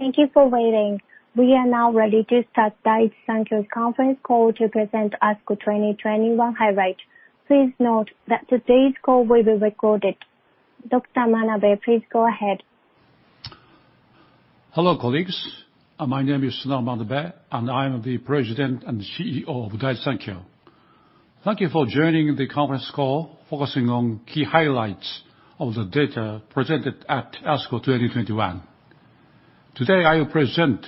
Thank you for waiting. We are now ready to start Daiichi Sankyo conference call to present ASCO 2021 highlights. Please note that today's call will be recorded. Dr. Manabe, please go ahead. Hello, colleagues. My name is Sunao Manabe, and I'm the President and CEO of Daiichi Sankyo. Thank you for joining the conference call focusing on key highlights of the data presented at ASCO 2021. Today, I will present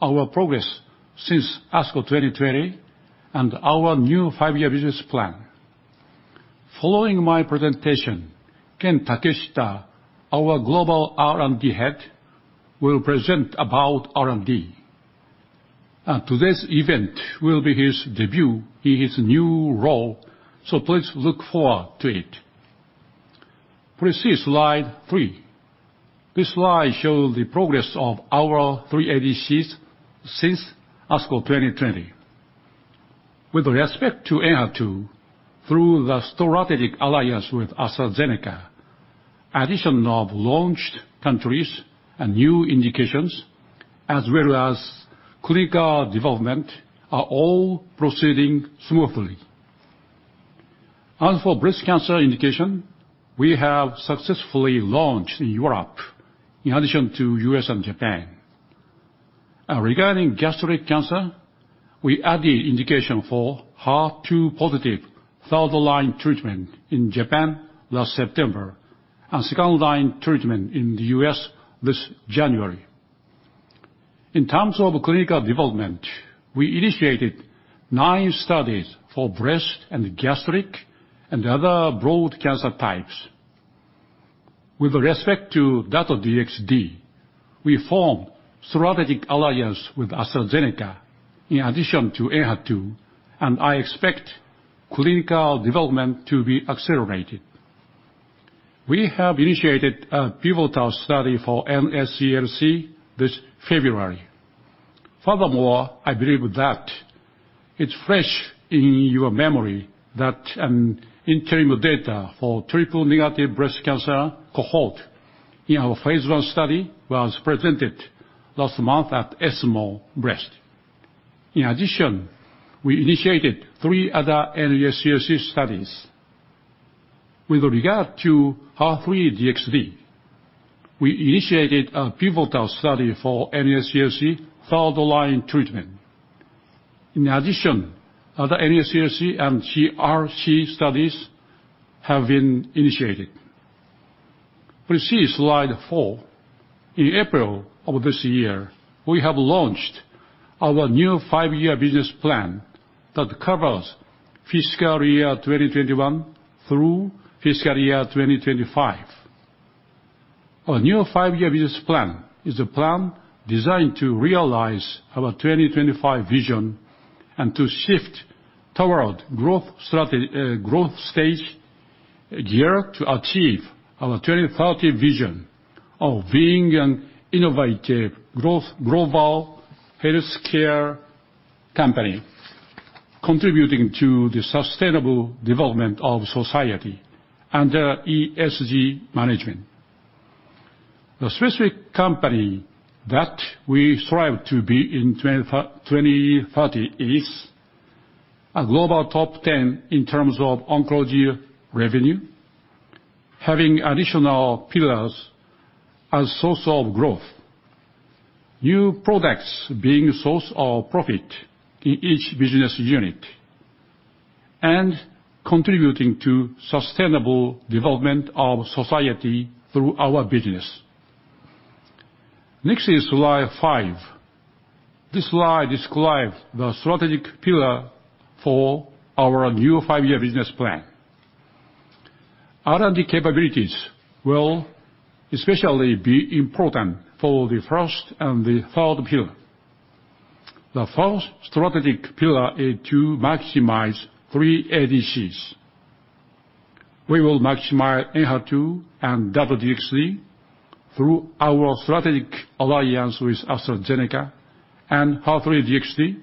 our progress since ASCO 2020 and our new five-year business plan. Following my presentation, Ken Takeshita, our Global R&D Head, will present about R&D. Today's event will be his debut in his new role, so please look forward to it. Please see Slide three. This slide shows the progress of our three ADCs since ASCO 2020. With respect to ENHERTU, through the strategic alliance with AstraZeneca, addition of launched countries and new indications, as well as clinical development, are all proceeding smoothly. As for breast cancer indication, we have successfully launched in Europe in addition to U.S. and Japan. Regarding gastric cancer, we added indication for HER2-positive third-line treatment in Japan last September and second-line treatment in the U.S. this January. In terms of clinical development, we initiated nine studies for breast and gastric and other broad cancer types. With respect to Dato-DXd, we formed strategic alliance with AstraZeneca in addition to ENHERTU, and I expect clinical development to be accelerated. We have initiated a pivotal study for NSCLC this February. Furthermore, I believe that it's fresh in your memory that an interim data for triple-negative breast cancer cohort in our phase I study was presented last month at ESMO Breast. In addition, we initiated three other NSCLC studies. With regard to HER3-DXd, we initiated a pivotal study for NSCLC third-line treatment. In addition, other NSCLC and CRC studies have been initiated. Please see Slide four. In April of this year, we have launched our new five-year business plan that covers fiscal year 2021 through fiscal year 2025. Our new five-year business plan is a plan designed to realize our 2025 vision and to shift toward growth stage gear to achieve our 2030 vision of being an innovative global healthcare company, contributing to the sustainable development of society under ESG management. The specific company that we strive to be in 2030 is a global top 10 in terms of oncology revenue, having additional pillars as source of growth, new products being source of profit in each business unit, and contributing to sustainable development of society through our business. Next is Slide five. This slide describes the strategic pillar for our new five-year business plan. R&D capabilities will especially be important for the first and the third pillar. The first strategic pillar is to maximize three ADCs. We will maximize ENHERTU and Dato-DXd through our strategic alliance with AstraZeneca. HER3-DXd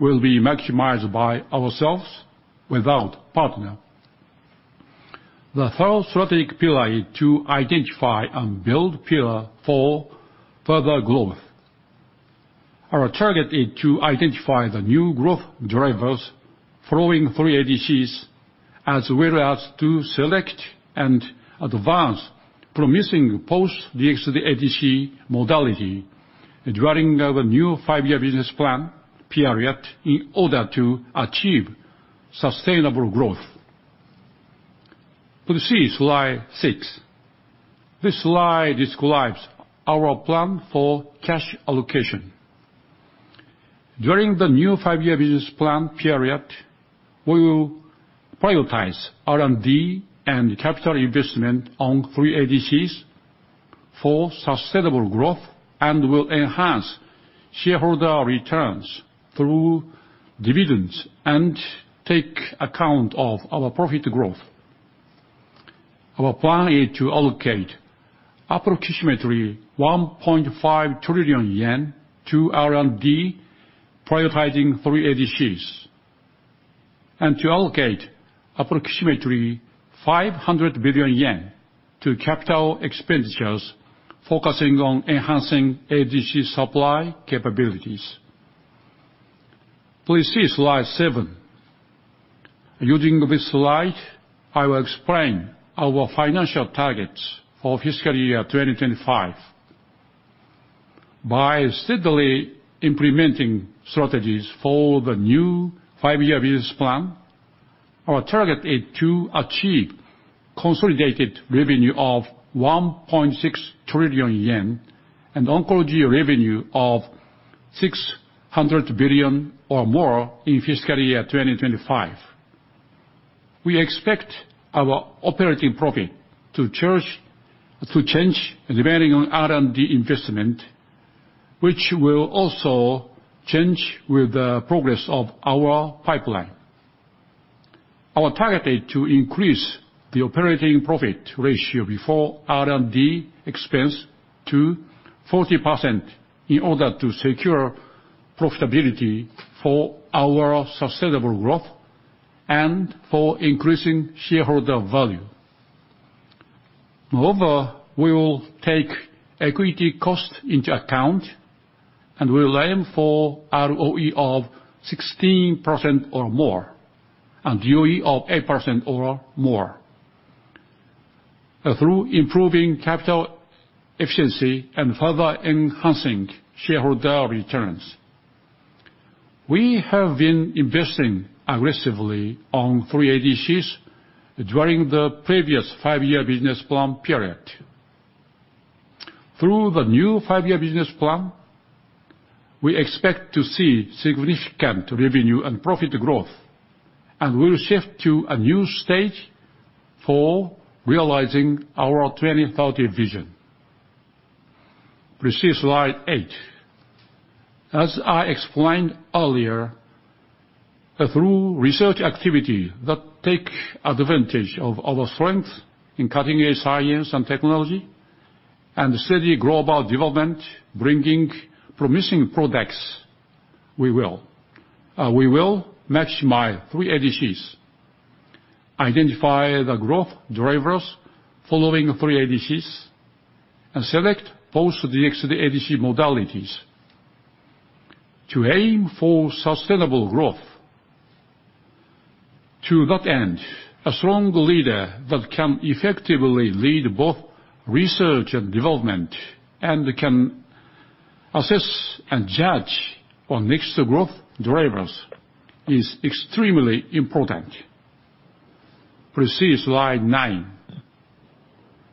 will be maximized by ourselves without partner. The third strategic pillar is to identify and build pillars for further growth. Our target is to identify the new growth drivers following three ADCs, as well as to select and advance promising post DXd ADC modality during our new five-year business plan period in order to achieve sustainable growth. Please see Slide six. This slide describes our plan for cash allocation. During the new five-year business plan period, we will prioritize R&D and capital investment on three ADCs for sustainable growth. We will enhance shareholder returns through dividends and take account of our profit growth. Our plan is to allocate approximately JPY 1.5 trillion to R&D, prioritizing three ADCs. To allocate approximately 500 billion yen to capital expenditures, focusing on enhancing ADC supply capabilities. Please see Slide seven. Using this slide, I will explain our financial targets for fiscal year 2025. By steadily implementing strategies for the new five-year business plan, our target is to achieve consolidated revenue of 1.6 trillion yen and oncology revenue of 600 billion or more in fiscal year 2025. We expect our operating profit to change depending on R&D investment, which will also change with the progress of our pipeline. Our target is to increase the operating profit ratio before R&D expense to 40% in order to secure profitability for our sustainable growth and for increasing shareholder value. Moreover, we will take equity cost into account, and we'll aim for ROE of 16% or more and DOE of 8% or more through improving capital efficiency and further enhancing shareholder returns. We have been investing aggressively on three ADCs during the previous five-year business plan period. Through the new five-year business plan, we expect to see significant revenue and profit growth and will shift to a new stage for realizing our 2030 vision. Please see Slide eight. As I explained earlier, through research activities that take advantage of our strength in cutting-edge science and technology and steady global development, bringing promising products, we will maximize three ADCs, identify the growth drivers following three ADCs, and select post DXd ADC modalities to aim for sustainable growth. To that end, a strong leader that can effectively lead both research and development and can assess and judge on next growth drivers is extremely important. Please see Slide nine.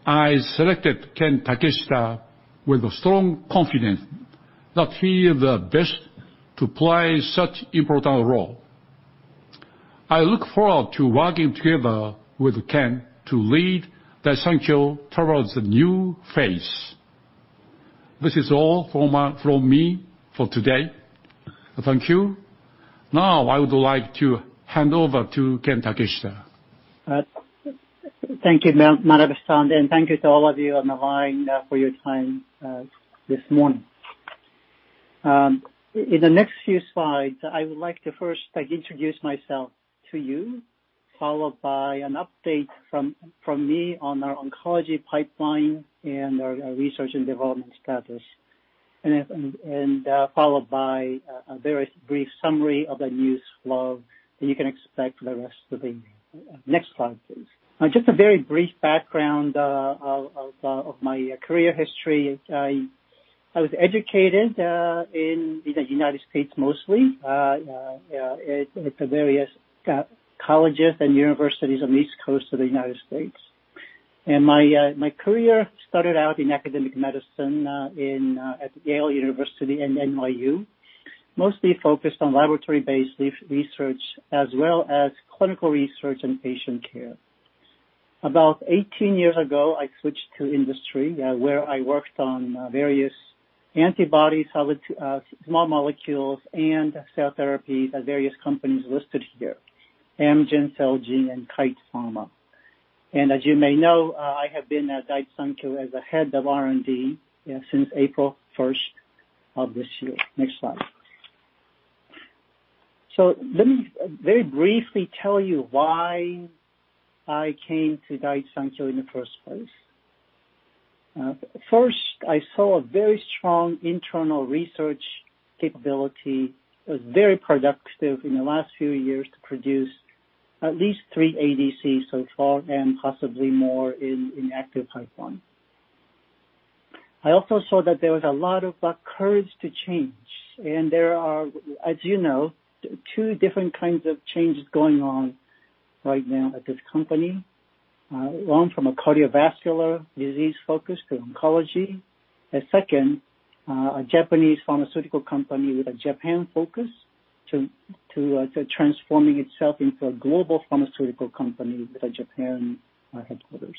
I selected Ken Takeshita with a strong confidence that he is the best to play such important role. I look forward to working together with Ken to lead Daiichi Sankyo towards a new phase. This is all from me for today. Thank you. Now, I would like to hand over to Ken Takeshita. Thank you, Manabe-san. Thank you to all of you on the line for your time this morning. In the next few slides, I would like to first introduce myself to you, followed by an update from me on our oncology pipeline and our research and development status, and followed by a very brief summary of the news flow that you can expect for the rest of the year. Next slide, please. Just a very brief background of my career history. I was educated in the United States mostly at various colleges and universities on the East Coast of the United States. My career started out in academic medicine at Yale University and NYU, mostly focused on laboratory-based research as well as clinical research and patient care. About 18 years ago, I switched to industry where I worked on various antibodies, small molecules, and cell therapy at various companies listed here, Amgen, Celgene, and Kite Pharma. As you may know, I have been at Daiichi Sankyo as a Head of R&D since April 1st of this year. Next slide. Let me very briefly tell you why I came to Daiichi Sankyo in the first place. First, I saw a very strong internal research capability that is very productive in the last few years to produce at least three ADCs so far and possibly more in active pipeline. I also saw that there was a lot of courage to change. There are, as you know, two different kinds of changes going on right now at this company. One, from a cardiovascular disease focus to oncology. Second, a Japanese pharmaceutical company with a Japan-focus to transforming itself into a global pharmaceutical company with a Japan headquarters.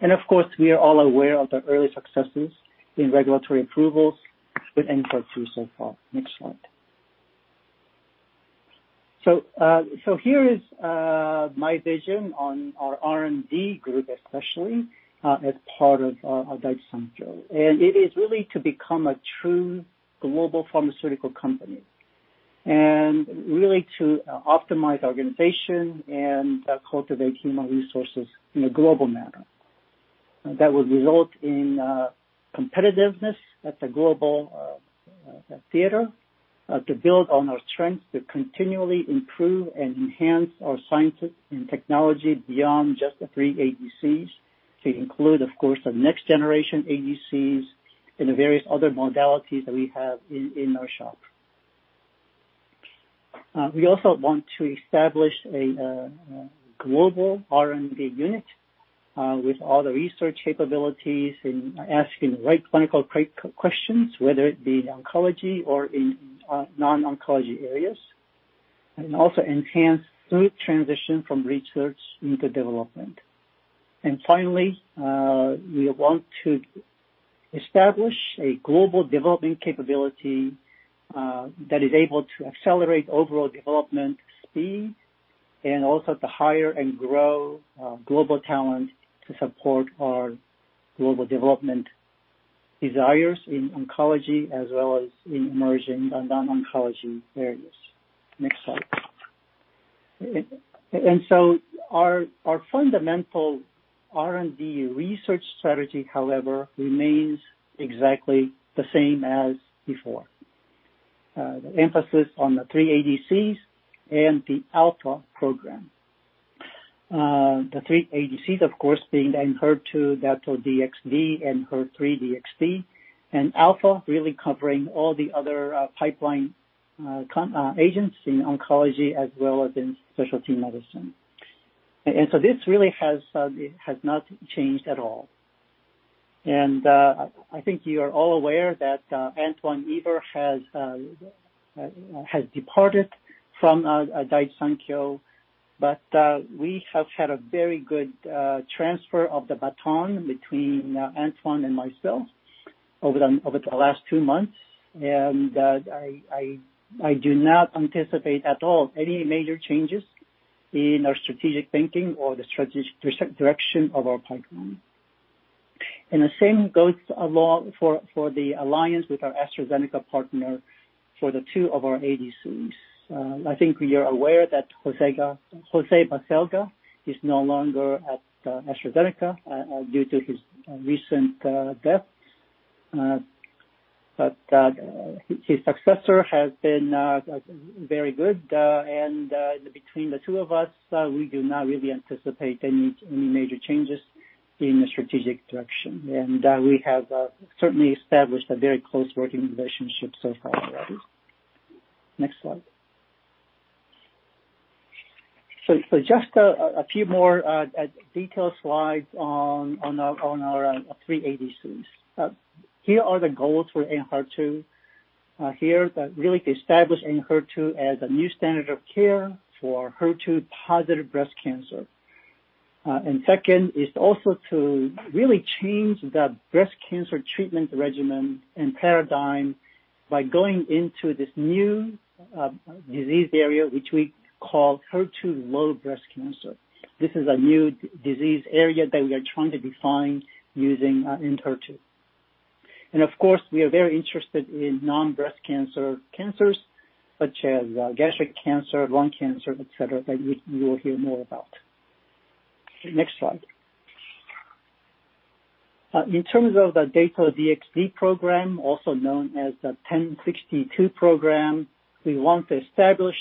Of course, we are all aware of the early successes in regulatory approvals with ENHERTU so far. Next slide. Here is my vision on our R&D group, especially as part of Daiichi Sankyo. It is really to become a true global pharmaceutical company. Really to optimize organization and cultivate human resources in a global manner that will result in competitiveness at the global theater to build on our strengths to continually improve and enhance our science and technology beyond just the three ADCs to include, of course, the next generation ADCs and the various other modalities that we have in our shop. We also want to establish a global R&D unit with all the research capabilities and asking the right clinical questions, whether it be in oncology or in non-oncology areas, and also enhance smooth transition from research into development. Finally, we want to establish a global development capability that is able to accelerate overall development speed and also to hire and grow global talent to support our global development desires in oncology as well as in emerging and non-oncology areas. Next slide. Our fundamental R&D research strategy, however, remains exactly the same as before. The emphasis on the three ADCs and the Alpha program. The three ADCs, of course, being ENHERTU, Dato-DXd, HER3-DXd, and Alpha really covering all the other pipeline agents in oncology as well as in specialty medicine. This really has not changed at all. I think you are all aware that Antoine Yver has departed from Daiichi Sankyo, but we have had a very good transfer of the baton between Antoine and myself over the last two months, and I do not anticipate at all any major changes in our strategic thinking or the strategic direction of our pipeline. The same goes for the alliance with our AstraZeneca partner for the two of our ADCs. I think you are aware that José Baselga is no longer at AstraZeneca due to his recent death. His successor has been very good, and between the two of us, we do not really anticipate any major changes in the strategic direction. We have certainly established a very close working relationship so far. Next slide. Just a few more detailed slides on our three ADCs. Here are the goals for ENHERTU. Here is really to establish ENHERTU as a new standard of care for HER2-positive breast cancer. Second is also to really change the breast cancer treatment regimen and paradigm by going into this new disease area, which we call HER2-low breast cancer. This is a new disease area that we are trying to define using ENHERTU. Of course, we are very interested in non-breast cancer cancers such as gastric cancer, lung cancer, et cetera, that you will hear more about. Next slide. In terms of the Dato-DXd program, also known as the DS-1062 program, we want to establish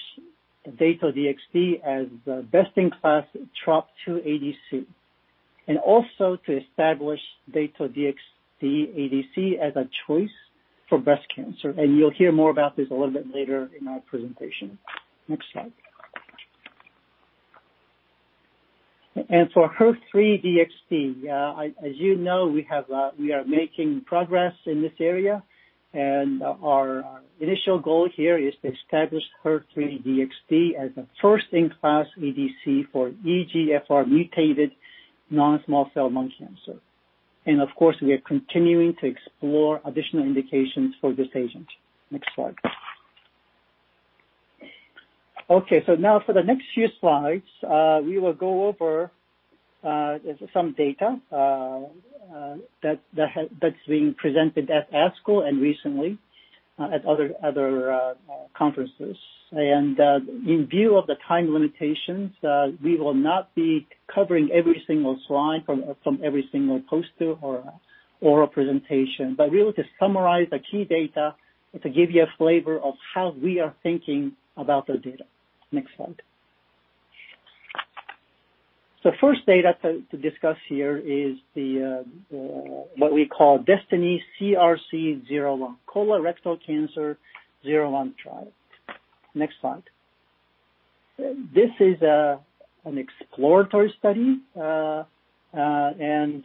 Dato-DXd as best-in-class TROP2 ADC, also to establish Dato-DXd ADC as a choice for breast cancer. You'll hear more about this a little bit later in our presentation. Next slide. For HER3-DXd, as you know, we are making progress in this area, and our initial goal here is to establish HER3-DXd as a first-in-class ADC for EGFR mutated non-small cell lung cancer. Of course, we are continuing to explore additional indications for this agent. Next slide. For the next few slides, we will go over some data that's being presented at ASCO and recently at other conferences. In view of the time limitations, we will not be covering every single slide from every single poster or presentation, but we will just summarize the key data to give you a flavor of how we are thinking about the data. Next slide. First data to discuss here is what we call DESTINY-CRC01, colorectal cancer 01 trial. Next slide. This is an exploratory study, in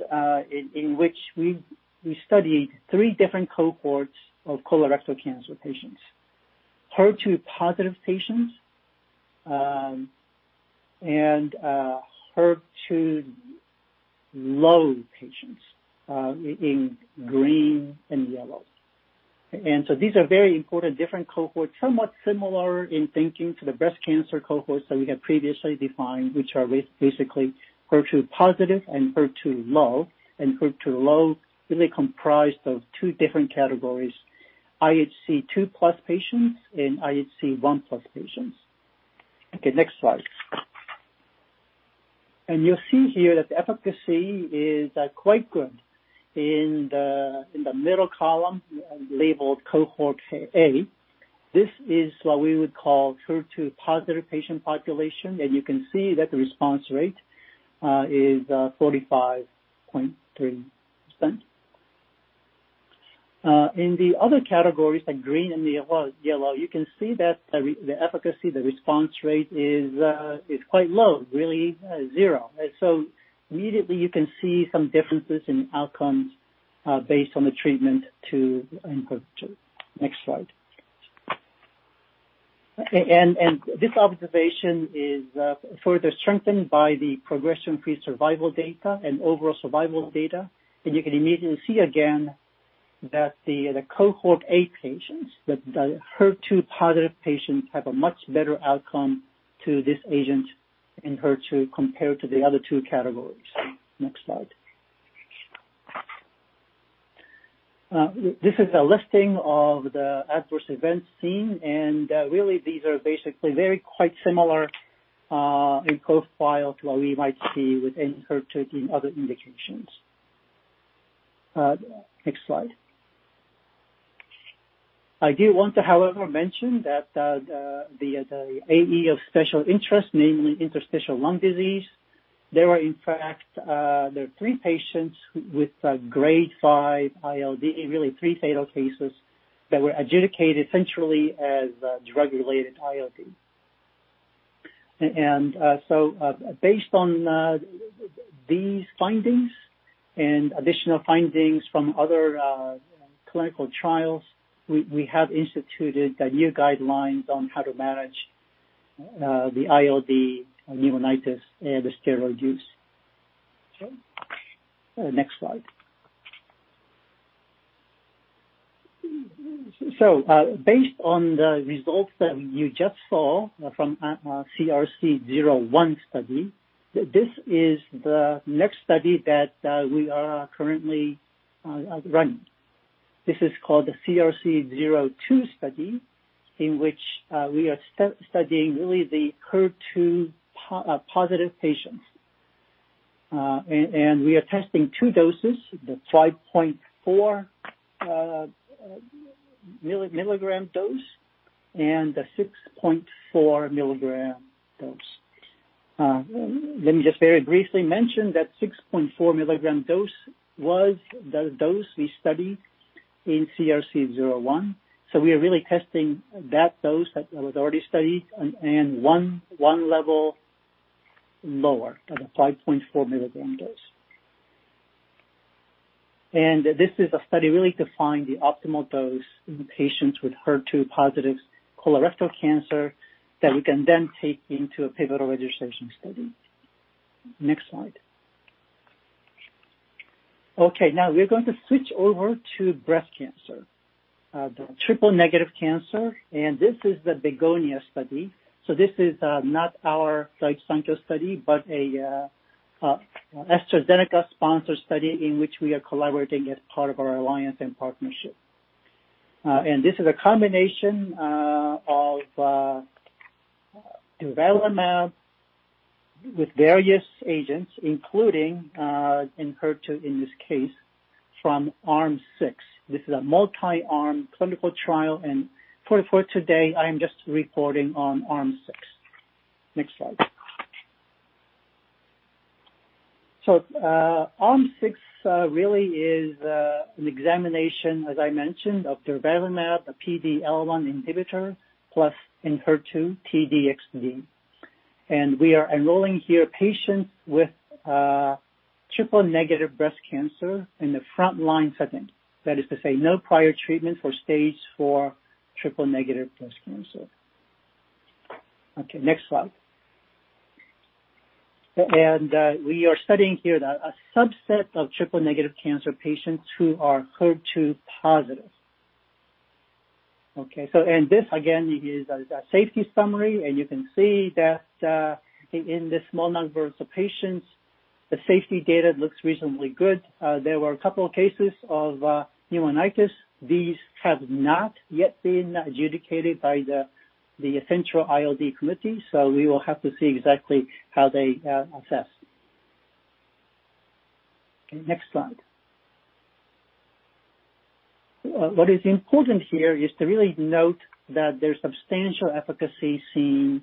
which we studied three different cohorts of colorectal cancer patients. HER2-positive patients, HER2-low patients in green and yellow. These are very important different cohorts, somewhat similar in thinking to the breast cancer cohorts that we have previously defined, which are basically HER2-positive and HER2-low. HER2-low really comprised of two different categories, IHC2+ patients and IHC1+ patients. Okay, next slide. You'll see here that efficacy is quite good. In the middle column, labeled cohort A, this is what we would call HER2-positive patient population, and you can see that the response rate is 45.3%. In the other categories, the green and the yellow, you can see that the efficacy, the response rate, is quite low, really zero. Immediately you can see some differences in outcomes based on the treatment to ENHERTU. Next slide. Okay. This observation is further strengthened by the progression-free survival data and overall survival data. You can immediately see again that the cohort A patients, the HER2-positive patients, have a much better outcome to this agent, ENHERTU, compared to the other two categories. Next slide. This is a listing of the adverse events seen, and really, these are basically very quite similar in profile to what we might see with ENHERTU in other indications. Next slide. I do want to, however, mention the AE of special interest, namely interstitial lung disease. There were, in fact, three patients with grade 5 ILD, really three fatal cases that were adjudicated centrally as drug-related ILD. Based on these findings and additional findings from other clinical trials, we have instituted new guidelines on how to manage the ILD, pneumonitis, and the steroid use. Next slide. Based on the results that you just saw from CRC01 study, this is the next study that we are currently running. This is called the CRC02 study, in which we are studying really the HER2-positive patients. We are testing two doses, the 5.4 mg dose and the 6.4 mg dose. Let me just very briefly mention that 6.4 mg dose was the dose we studied in CRC01. We are really testing that dose that was already studied and 1 level lower at a 5.4 mg dose. This is a study really to find the optimal dose in patients with HER2-positive colorectal cancer that we can then take into a pivotal registration study. Next slide. Okay. Now we're going to switch over to breast cancer, the triple-negative cancer. This is the BEGONIA study. This is not our site sponsor study, but an AstraZeneca sponsor study in which we are collaborating as part of our alliance and partnership. This is a combination of durvalumab with various agents, including ENHERTU in this case, from Arm 6. This is a multi-arm clinical trial. For today, I'm just reporting on Arm 6. Next slide. Arm 6 really is an examination, as I mentioned, of durvalumab, a PD-L1 inhibitor, plus ENHERTU, T-DXd. We are enrolling here patients with triple-negative breast cancer in the front-line setting. That is to say, no prior treatment for Stage IV triple-negative breast cancer. Okay, next slide. We are studying here a subset of triple-negative cancer patients who are HER2 positive. Okay. This, again, is a safety summary, and you can see that in this small number of patients, the safety data looks reasonably good. There were a couple of cases of pneumonitis. These have not yet been adjudicated by the central ILD committee, so we will have to see exactly how they assess. Next slide. What is important here is to really note that there's substantial efficacy seen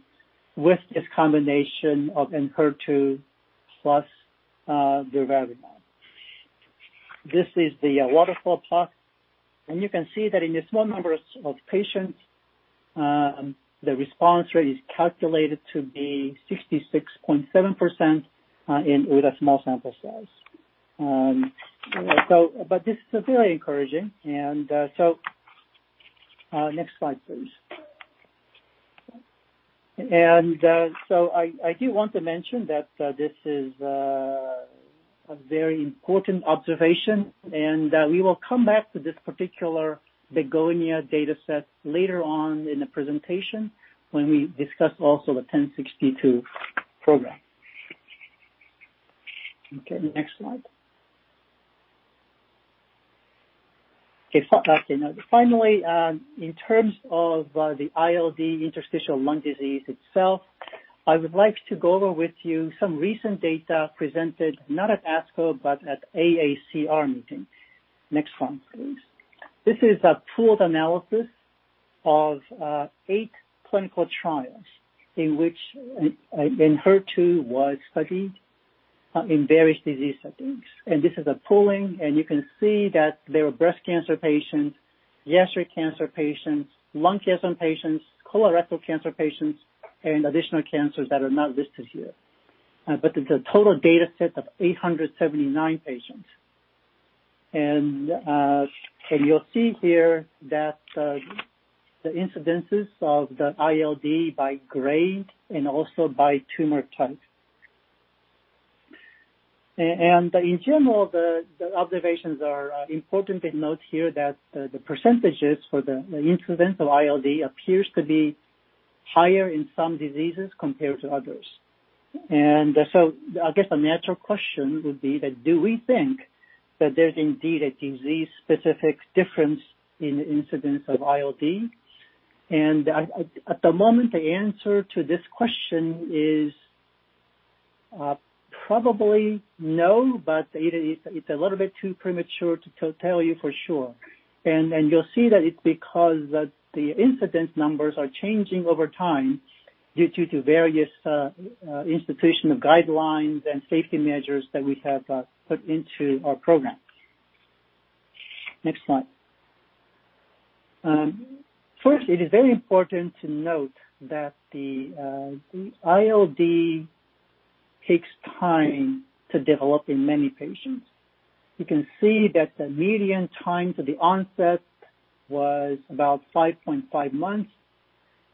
with this combination of ENHERTU plus durvalumab. This is the waterfall plot, and you can see that in the small numbers of patients, the response rate is calculated to be 66.7% with a small sample size. This is very encouraging. Next slide, please. I do want to mention that this is a very important observation, and we will come back to this particular BEGONIA dataset later on in the presentation when we discuss also the 1062 program. Next slide. Finally, in terms of the ILD, interstitial lung disease itself, I would like to go over with you some recent data presented, not at ASCO, but at AACR meeting. Next one, please. This is a pooled analysis of eight clinical trials in which HER2 was studied in various disease settings. This is a pooling, and you can see that there are breast cancer patients, gastric cancer patients, lung cancer patients, colorectal cancer patients, and additional cancers that are not listed here. It's a total data set of 879 patients. You'll see here the incidences of the ILD by grade and also by tumor type. In general, the observations are important to note here that the percentages for the incidence of ILD appears to be higher in some diseases compared to others. I guess the natural question would be that do we think that there's indeed a disease-specific difference in incidence of ILD? At the moment, the answer to this question is probably no, but it's a little bit too premature to tell you for sure. You'll see that it's because the incidence numbers are changing over time due to various institutional guidelines and safety measures that we have put into our programs. Next slide. First, it is very important to note that the ILD takes time to develop in many patients. You can see that the median time to the onset was about 5.5 months.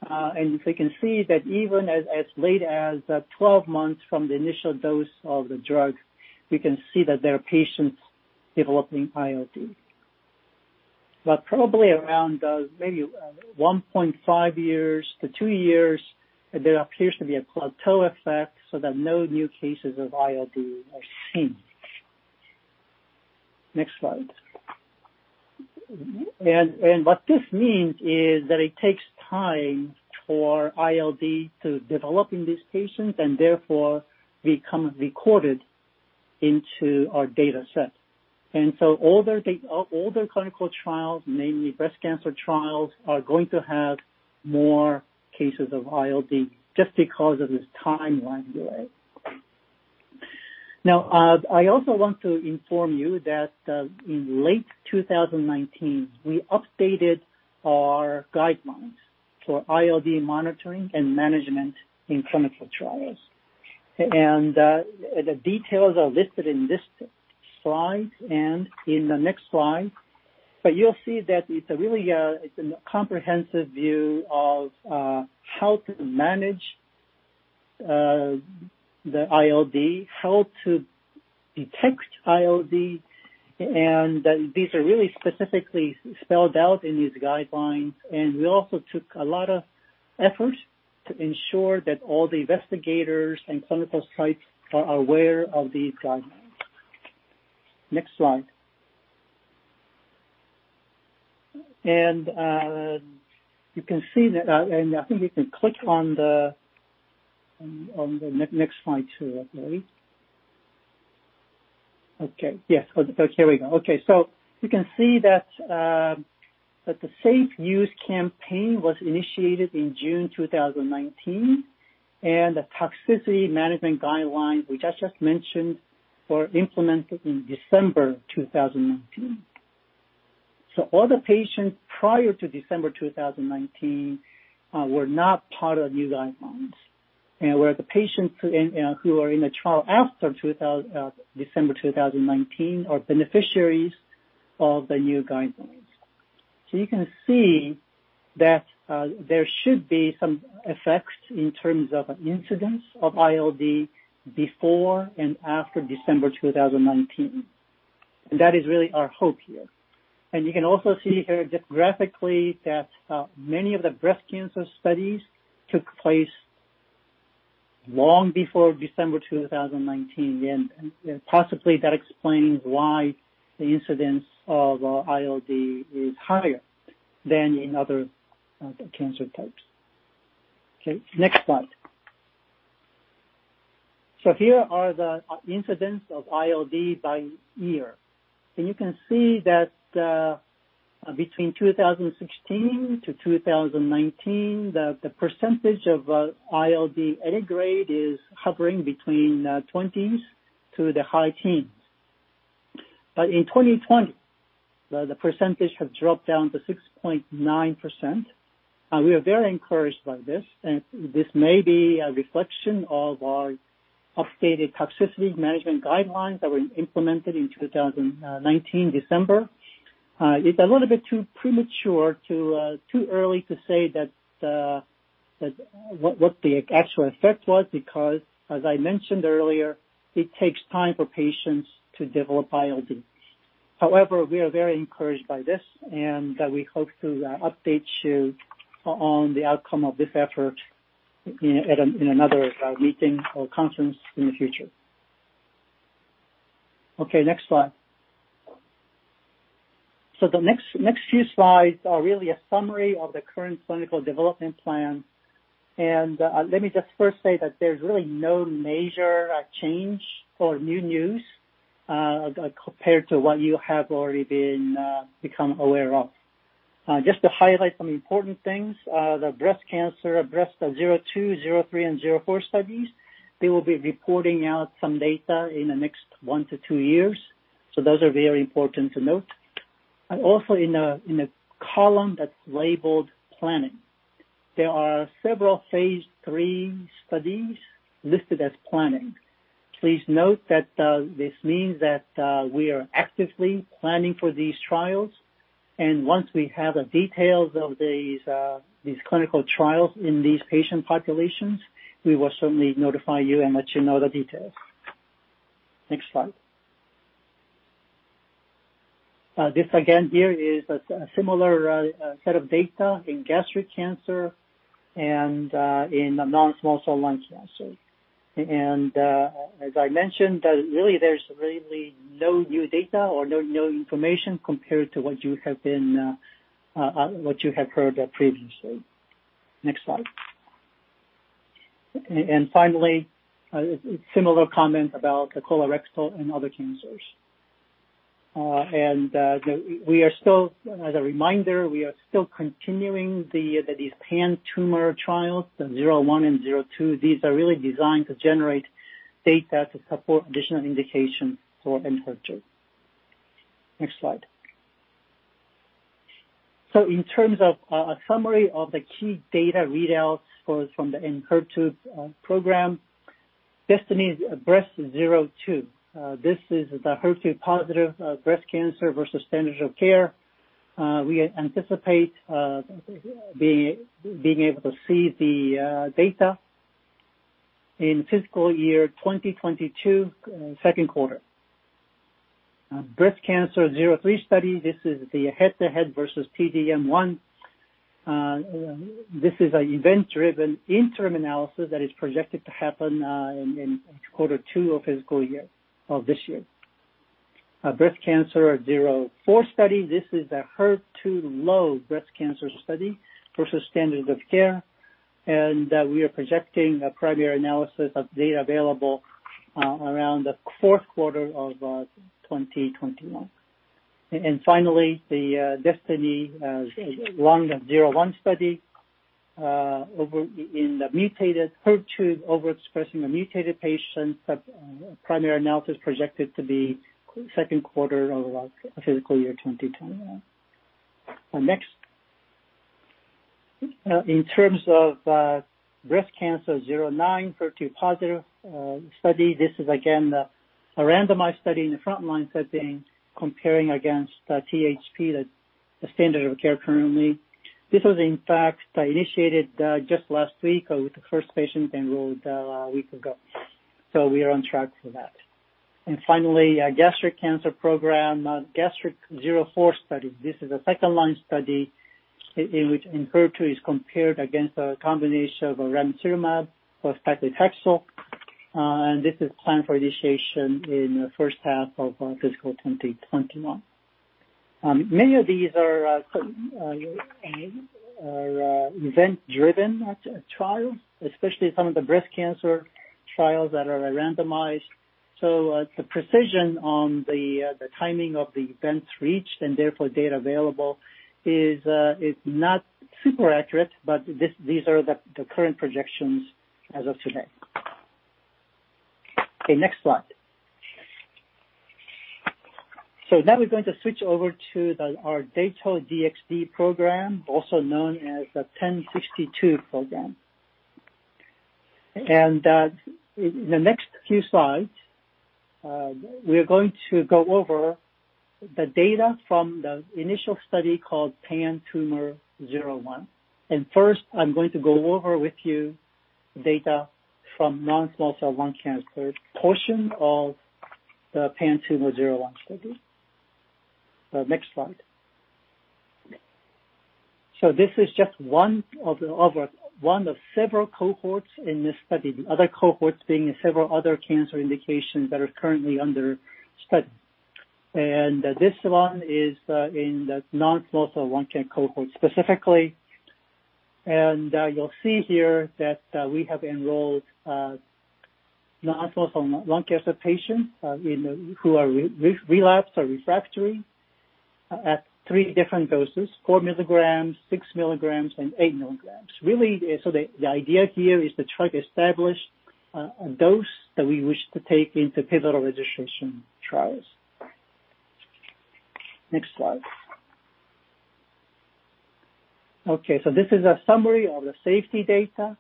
As we can see that even as late as 12 months from the initial dose of the drug, we can see that there are patients developing ILD. Probably around maybe 1.5 years to two years, there appears to be a plateau effect so that no new cases of ILD are seen. Next slide. What this means is that it takes time for ILD to develop in these patients and therefore become recorded into our data set. Older clinical trials, mainly breast cancer trials, are going to have more cases of ILD just because of this timeline delay. Now, I also want to inform you that in late 2019, we updated our guidelines for ILD monitoring and management in clinical trials. The details are listed in this slide and in the next slide. You'll see that it's a comprehensive view of how to manage the ILD, how to detect ILD, and these are really specifically spelled out in these guidelines, and we also took a lot of efforts to ensure that all the investigators and clinical sites are aware of these guidelines. Next slide. You can see that, and I think you can click on the next slide, too, I believe. Okay. Yes. Okay, here we go. You can see that the Safe Use Campaign was initiated in June 2019, and the toxicity management guidelines we just mentioned were implemented in December 2019. All the patients prior to December 2019 were not part of new guidelines. Where the patients who are in the trial after December 2019 are beneficiaries of the new guidelines. You can see that there should be some effects in terms of incidence of ILD before and after December 2019. That is really our hope here. You can also see here that graphically that many of the breast cancer studies took place long before December 2019, and possibly that explains why the incidence of ILD is higher than in other cancer types. Next slide. Here are the incidence of ILD by year. You can see that between 2016 to 2019, that the percentage of ILD any grade is hovering between twenties to the high teens. In 2020, the percentage has dropped down to 6.9%, and we are very encouraged by this. This may be a reflection of our updated toxicity management guidelines that we implemented in 2019, December. It's a little bit too premature, too early to say that what the actual effect was because, as I mentioned earlier, it takes time for patients to develop ILD. However, we are very encouraged by this, and we hope to update you on the outcome of this effort in another meeting or conference in the future. Okay, next slide. The next few slides are really a summary of the current clinical development plan. Let me just first say that there's really no major change or new news, compared to what you have already become aware of. Just to highlight some important things, the breast cancer, DESTINY-Breast02, DESTINY-Breast03, and DESTINY-Breast04 studies, they will be reporting out some data in the next one to two years. Those are very important to note. Also in the column that's labeled Planning, there are several phase III studies listed as planning. Please note that this means that we are actively planning for these trials, and once we have the details of these clinical trials in these patient populations, we will certainly notify you and let you know the details. Next slide. This again, here, is a similar set of data in gastric cancer and in non-small cell lung cancer. As I mentioned, really there's no new data or no new information compared to what you have heard previously. Next slide. Finally, similar comments about colorectal and other cancers. As a reminder, we are still continuing these pan-tumor trials, the 01 and 02. These are really designed to generate data to support additional indications for ENHERTU. Next slide. In terms of a summary of the key data readouts from the ENHERTU program, DESTINY-Breast02. This is the HER2-positive breast cancer versus standard of care. We anticipate being able to see the data in fiscal year 2022, second quarter. Breast Cancer 03 study. This is the head-to-head versus T-DM1. This is an event-driven interim analysis that is projected to happen in quarter two of this year. Breast Cancer 04 study. This is a HER2-low breast cancer study versus standard of care. We are projecting a primary analysis of data available around the fourth quarter of 2021. Finally, the DESTINY-Lung01 study in the mutated HER2 overexpressing the mutated patients, a primary analysis projected to be second quarter of fiscal year 2021. Next. In terms of Breast Cancer 09 HER2-positive study, this is again, a randomized study in the front-line setting comparing against T-HP, the standard of care currently. This was in fact initiated just last week. The first patient enrolled a week ago. We are on track for that. Finally, gastric cancer program, DESTINY-Gastric04 study. This is a second-line study in which ENHERTU is compared against a combination of ramucirumab plus paclitaxel. This is planned for initiation in the first half of fiscal 2021. Many of these are event-driven trials, especially some of the breast cancer trials that are randomized. The precision on the timing of the events reached, and therefore data available, is not super accurate. These are the current projections as of today. Okay, next slide. Now we'd to switch over to our Dato-DXd program, also known as the 1062 program. In the next few slides, we're going to go over the data from the initial study called TROPION-PanTumor01. First, I'm going to go over with you data from non-small cell lung cancer portion of the PanTumor01 study. Next slide. This is just one of several cohorts in this study, other cohorts being several other cancer indications that are currently under study. This one is in the non-small cell lung cancer cohort specifically. You'll see here that we have enrolled non-small cell lung cancer patients who are relapsed or refractory at three different doses, 4 mg, 6 mg, and 8 mg. Really, the idea here is to try to establish a dose that we wish to take into pivotal registration trials. Next slide. This is a summary of the safety data.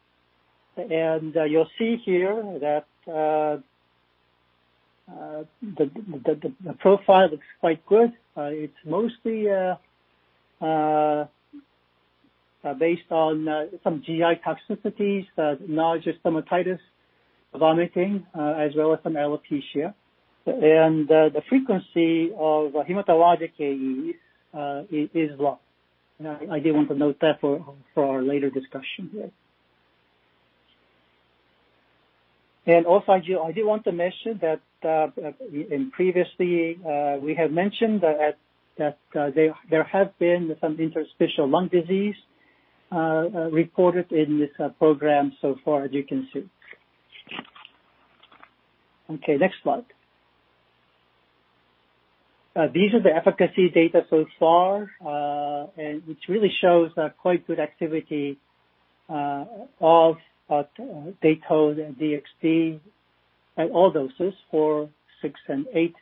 You'll see here that the profile looks quite good. It's mostly based on some GI toxicities, nausea, stomatitis, vomiting, as well as some alopecia. The frequency of the hematologic AE is low. I do want to note that for later discussion here. I do want to mention that previously we had mentioned that there has been some interstitial lung disease reported in this program so far, as you can see. Okay, next slide. These are the efficacy data so far, which really shows quite good activity of Dato-DXd at all doses, 4 mg, 6 mg,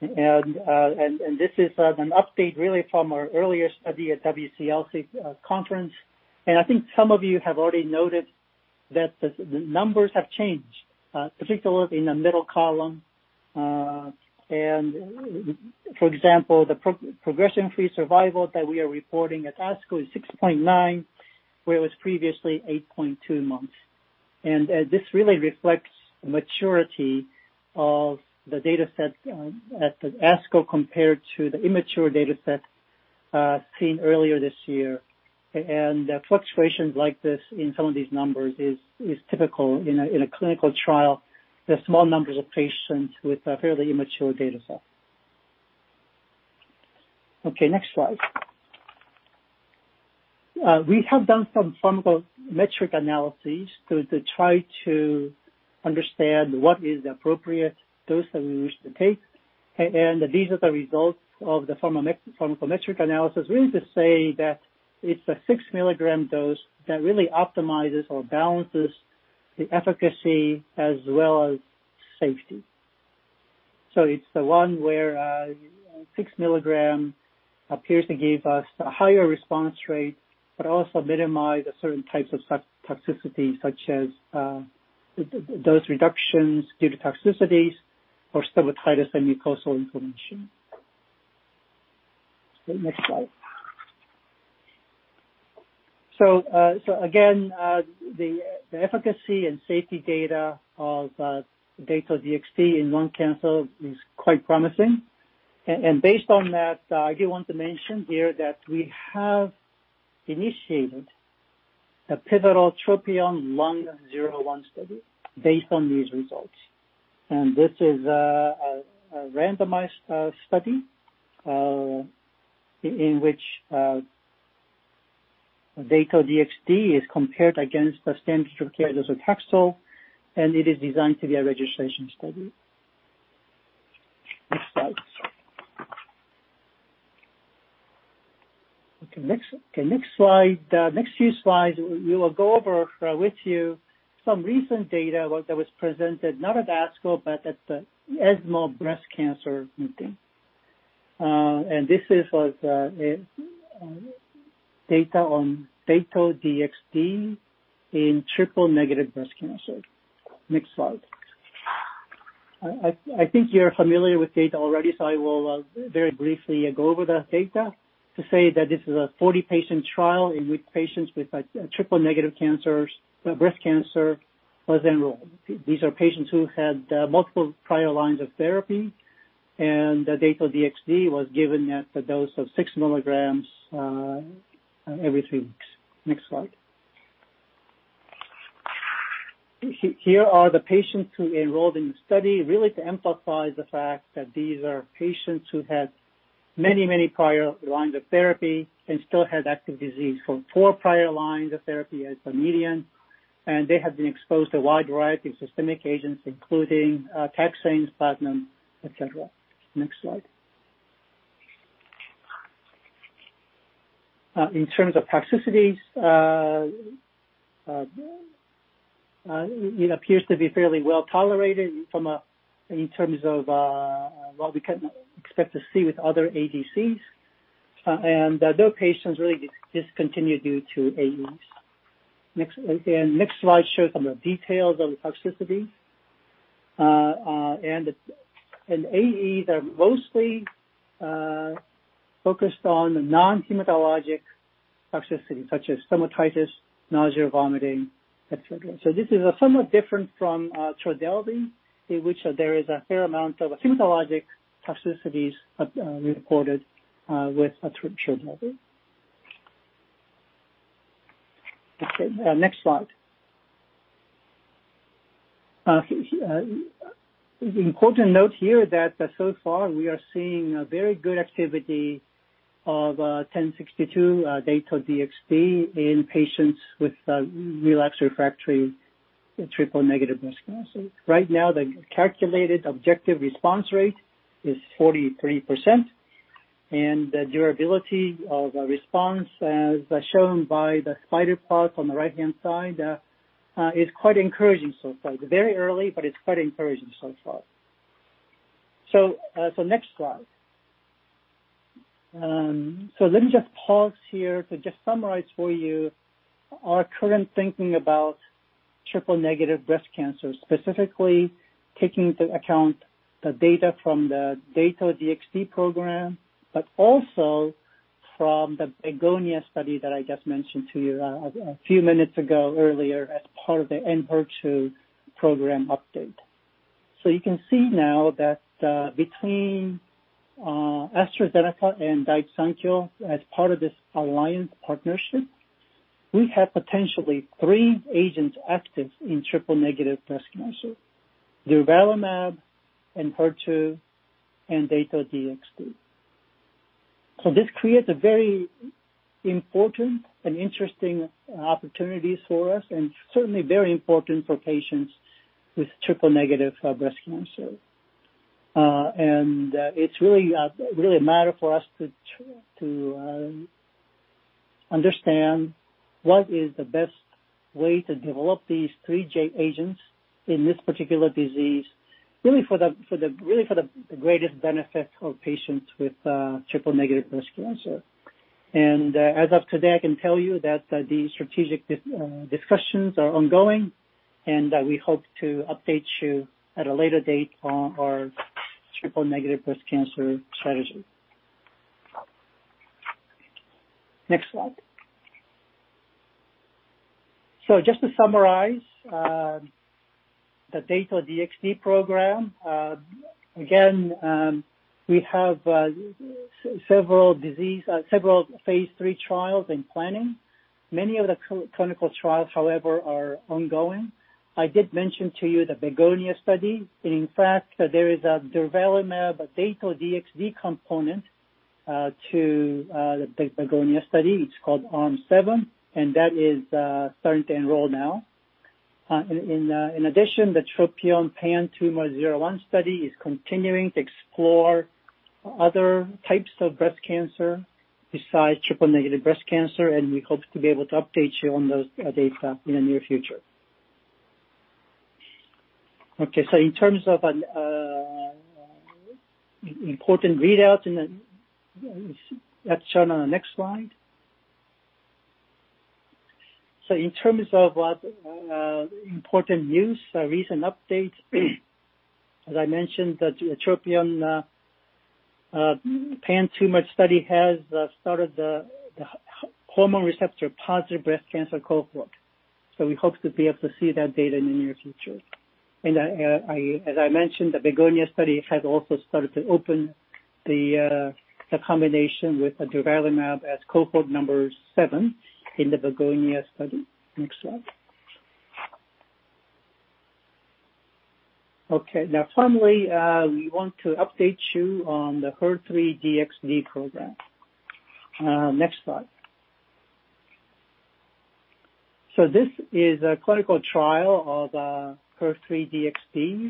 and 8 mg. This is an update really from our earliest study at WCLC conference. I think some of you have already noticed that the numbers have changed, particularly in the middle column. For example, the progression-free survival that we are reporting at ASCO is 6.9, where it was previously 8.2 months. This really reflects the maturity of the dataset at the ASCO compared to the immature dataset seen earlier this year. Fluctuations like this in some of these numbers is typical in a clinical trial with small numbers of patients with a fairly immature dataset. Okay, next slide. We have done some pharmacometric analysis to try to understand what is the appropriate dose that we wish to take. These are the results of the pharmacometric analysis, really just saying that it's a 6 mg dose that really optimizes or balances the efficacy as well as safety. It's the one where 6 mg appears to give us a higher response rate but also minimize certain types of toxicity, such as dose reductions due to toxicities or stomatitis mucositis inflammation. Next slide. Again, the efficacy and safety data of Dato-DXd in lung cancer is quite promising. Based on that, I do want to mention here that we have initiated a pivotal TROPION-Lung01 study based on these results. This is a randomized study in which Dato-DXd is compared against the standard of care docetaxel, and it is designed to be a registration study. Next slide. Next few slides, we will go over with you some recent data that was presented not at ASCO, but at the ESMO Breast Cancer Meeting. This is data on Dato-DXd in triple-negative breast cancer. Next slide. I think you're familiar with data already, so I will very briefly go over that data to say that this is a 40-patient trial in which patients with triple-negative breast cancer were enrolled. These are patients who had multiple prior lines of therapy. The Dato-DXd was given at the dose of 6 mg every two weeks. Next slide. Here are the patients who enrolled in the study really to emphasize the fact that these are patients who had many prior lines of therapy and still had active disease. Four prior lines of therapy as the median. They have been exposed to a wide variety of systemic agents, including taxanes, platinum, et cetera. Next slide. In terms of toxicities, it appears to be fairly well tolerated in terms of what we can expect to see with other ADCs. No patients really discontinued due to AE. Next slide shows some of the details of the toxicities. AEs are mostly focused on non-hematologic toxicities such as stomatitis, nausea, vomiting, et cetera. This is somewhat different from Trodelvy, in which there is a fair amount of hematologic toxicities reported with Trodelvy. Next slide. It's important to note here that so far we are seeing very good activity of DS-1062 Dato-DXd in patients with relapsed refractory triple-negative breast cancer. Right now, the calculated objective response rate is 43%, and the durability of the response, as shown by the spider plot on the right-hand side, is quite encouraging so far. Very early, it's quite encouraging so far. The next slide. Let me just pause here to just summarize for you our current thinking about triple-negative breast cancer, specifically taking into account the data from the Dato-DXd program, but also from the BEGONIA study that I just mentioned to you a few minutes ago earlier as part of the ENHERTU program update. You can see now that between AstraZeneca and Daiichi Sankyo, as part of this alliance partnership, we have potentially three agents active in triple-negative breast cancer: durvalumab, ENHERTU, and Dato-DXd. This creates a very important and interesting opportunity for us and certainly very important for patients with triple-negative breast cancer. It's really a matter for us to understand what is the best way to develop these three agents in this particular disease, really for the greatest benefit of patients with triple-negative breast cancer. As of today, I can tell you that the strategic discussions are ongoing, and we hope to update you at a later date on our triple-negative breast cancer strategy. Next slide. Just to summarize, the Dato-DXd program. Again, we have several phase III trials in planning. Many of the clinical trials, however, are ongoing. I did mention to you the BEGONIA study. In fact, there is a durvalumab Dato-DXd component to the BEGONIA study. It's called Arm 7, and that is starting to enroll now. In addition, the TROPION-PanTumor01 study is continuing to explore other types of breast cancer besides triple-negative breast cancer, and we hope to be able to update you on those data in the near future. In terms of an important readout, and that's shown on the next slide. In terms of important news, recent updates, as I mentioned, the TROPION-PanTumor01 study has started the hormone receptor-positive breast cancer cohort. We hope to be able to see that data in the near future. As I mentioned, the BEGONIA study has also started to open the combination with durvalumab as cohort number 7 in the BEGONIA study. Next slide. Okay. Finally, we want to update you on the HER3-DXd program. Next slide. This is a clinical trial of HER3-DXd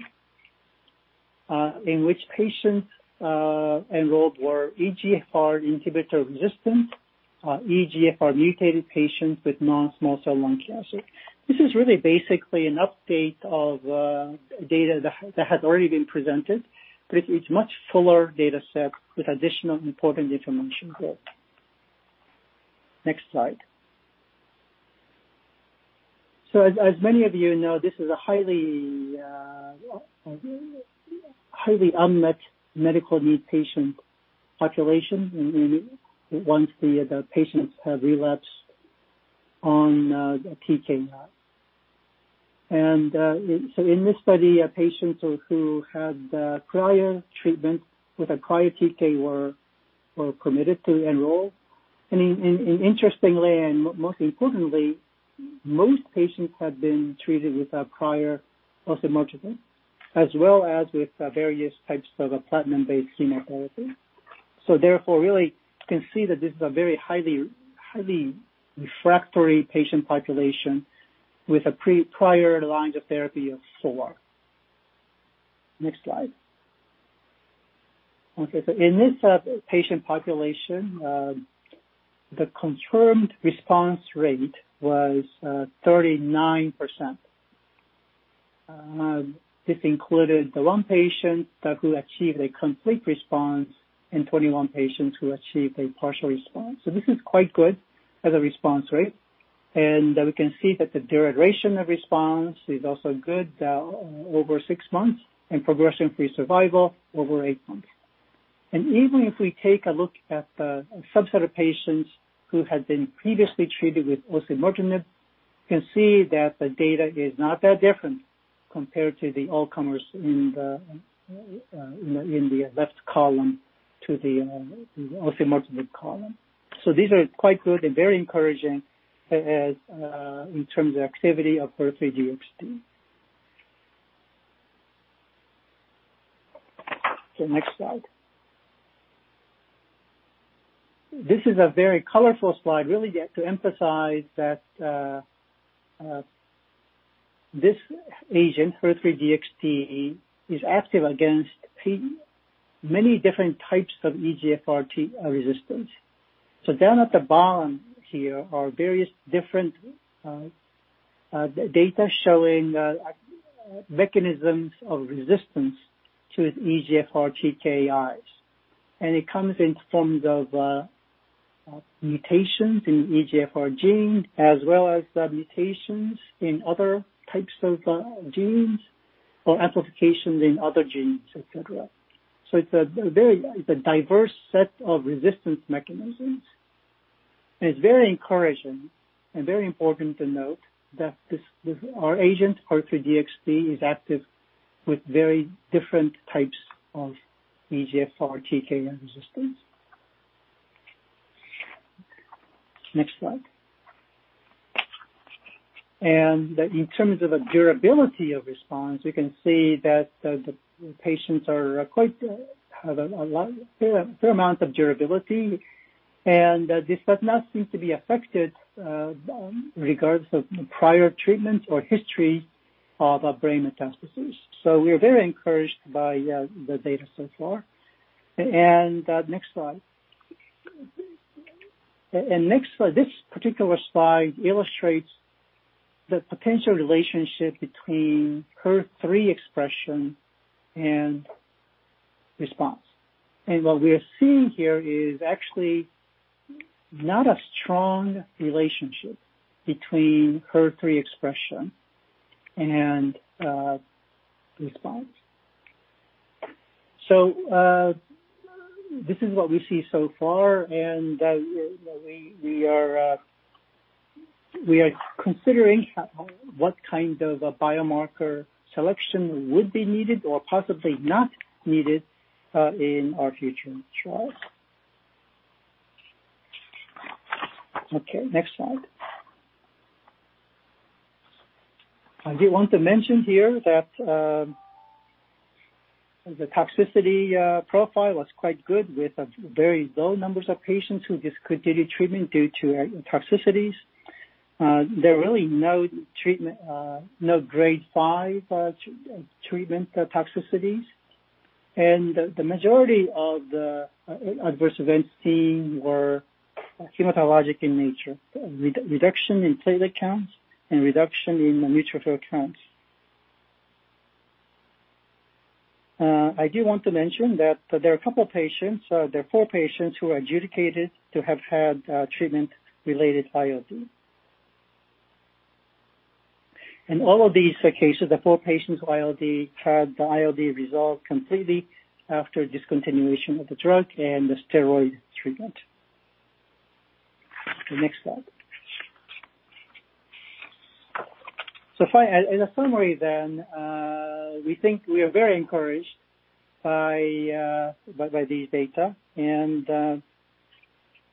in which patients enrolled were EGFR inhibitor-resistant, EGFR mutated patients with non-small cell lung cancer. This is really basically an update of data that had already been presented, but it's a much fuller data set with additional important information there. Next slide. As many of you know, this is a highly unmet medical need patient population, and really once the patients have relapsed on the TKI. In this study, patients who had prior treatment with a prior TKI were permitted to enroll. Interestingly, and most importantly, most patients had been treated with a prior osimertinib, as well as with various types of platinum-based chemotherapy. Therefore, really, you can see that this is a very highly refractory patient population with a prior line of therapy of four. Next slide. Okay. In this patient population, the confirmed response rate was 39%. This included the one patient who achieved a complete response and 21 patients who achieved a partial response. This is quite good for the response rate. We can see that the duration of response is also good, over six months, and progression-free survival over eight months. Even if we take a look at the subset of patients who had been previously treated with osimertinib, you can see that the data is not that different compared to the all-comers in the left column to the osimertinib column. These are quite good and very encouraging in terms of activity of HER3-DXd. Next slide. This is a very colorful slide, really get to emphasize that this agent, HER3-DXd, is active against many different types of EGFR TKI resistance. Down at the bottom here are various different data showing mechanisms of resistance to EGFR TKIs. It comes in forms of mutations in the EGFR gene as well as mutations in other types of genes or amplifications in other genes, et cetera. It's a diverse set of resistance mechanisms. It's very encouraging and very important to note that our agent, HER2-DXd, is active with very different types of EGFR TKI resistance. Next slide. In terms of the durability of response, we can see that the patients have a fair amount of durability, and this does not seem to be affected regardless of prior treatment or history of brain metastases. We are very encouraged by the data so far. Next slide. Next slide. This particular slide illustrates the potential relationship between HER3 expression and response. What we are seeing here is actually not a strong relationship between HER3 expression and response. This is what we see so far, and we are considering what kind of a biomarker selection would be needed or possibly not needed in our future trials. Next slide. I do want to mention here that the toxicity profile was quite good with very low numbers of patients who discontinued treatment due to toxicities. There are really no Grade 5 treatment toxicities, and the majority of the adverse events seen were hematologic in nature, reduction in platelet counts and reduction in neutrophil counts. I do want to mention that there are a couple patients, there are four patients who are adjudicated to have had treatment-related ILD. In all of these cases, the four patients had the ILD resolved completely after discontinuation of the drug and the steroid treatment. Next slide. Finally, in summary then, we think we are very encouraged by these data, and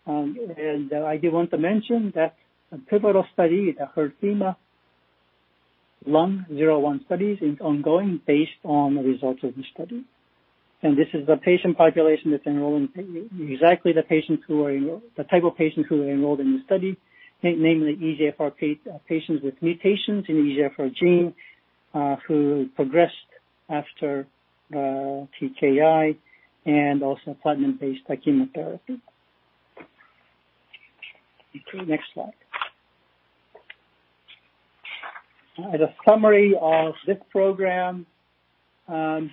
I do want to mention that the pivotal study, the HERTHENA-Lung01 study, is ongoing based on the results of this study. This is the patient population that's enrolled, exactly the type of patients who are enrolled in the study, namely EGFR patients with mutations in EGFR gene, who progressed after TKI and also platinum-based chemotherapy. Next slide. As a summary of this program, as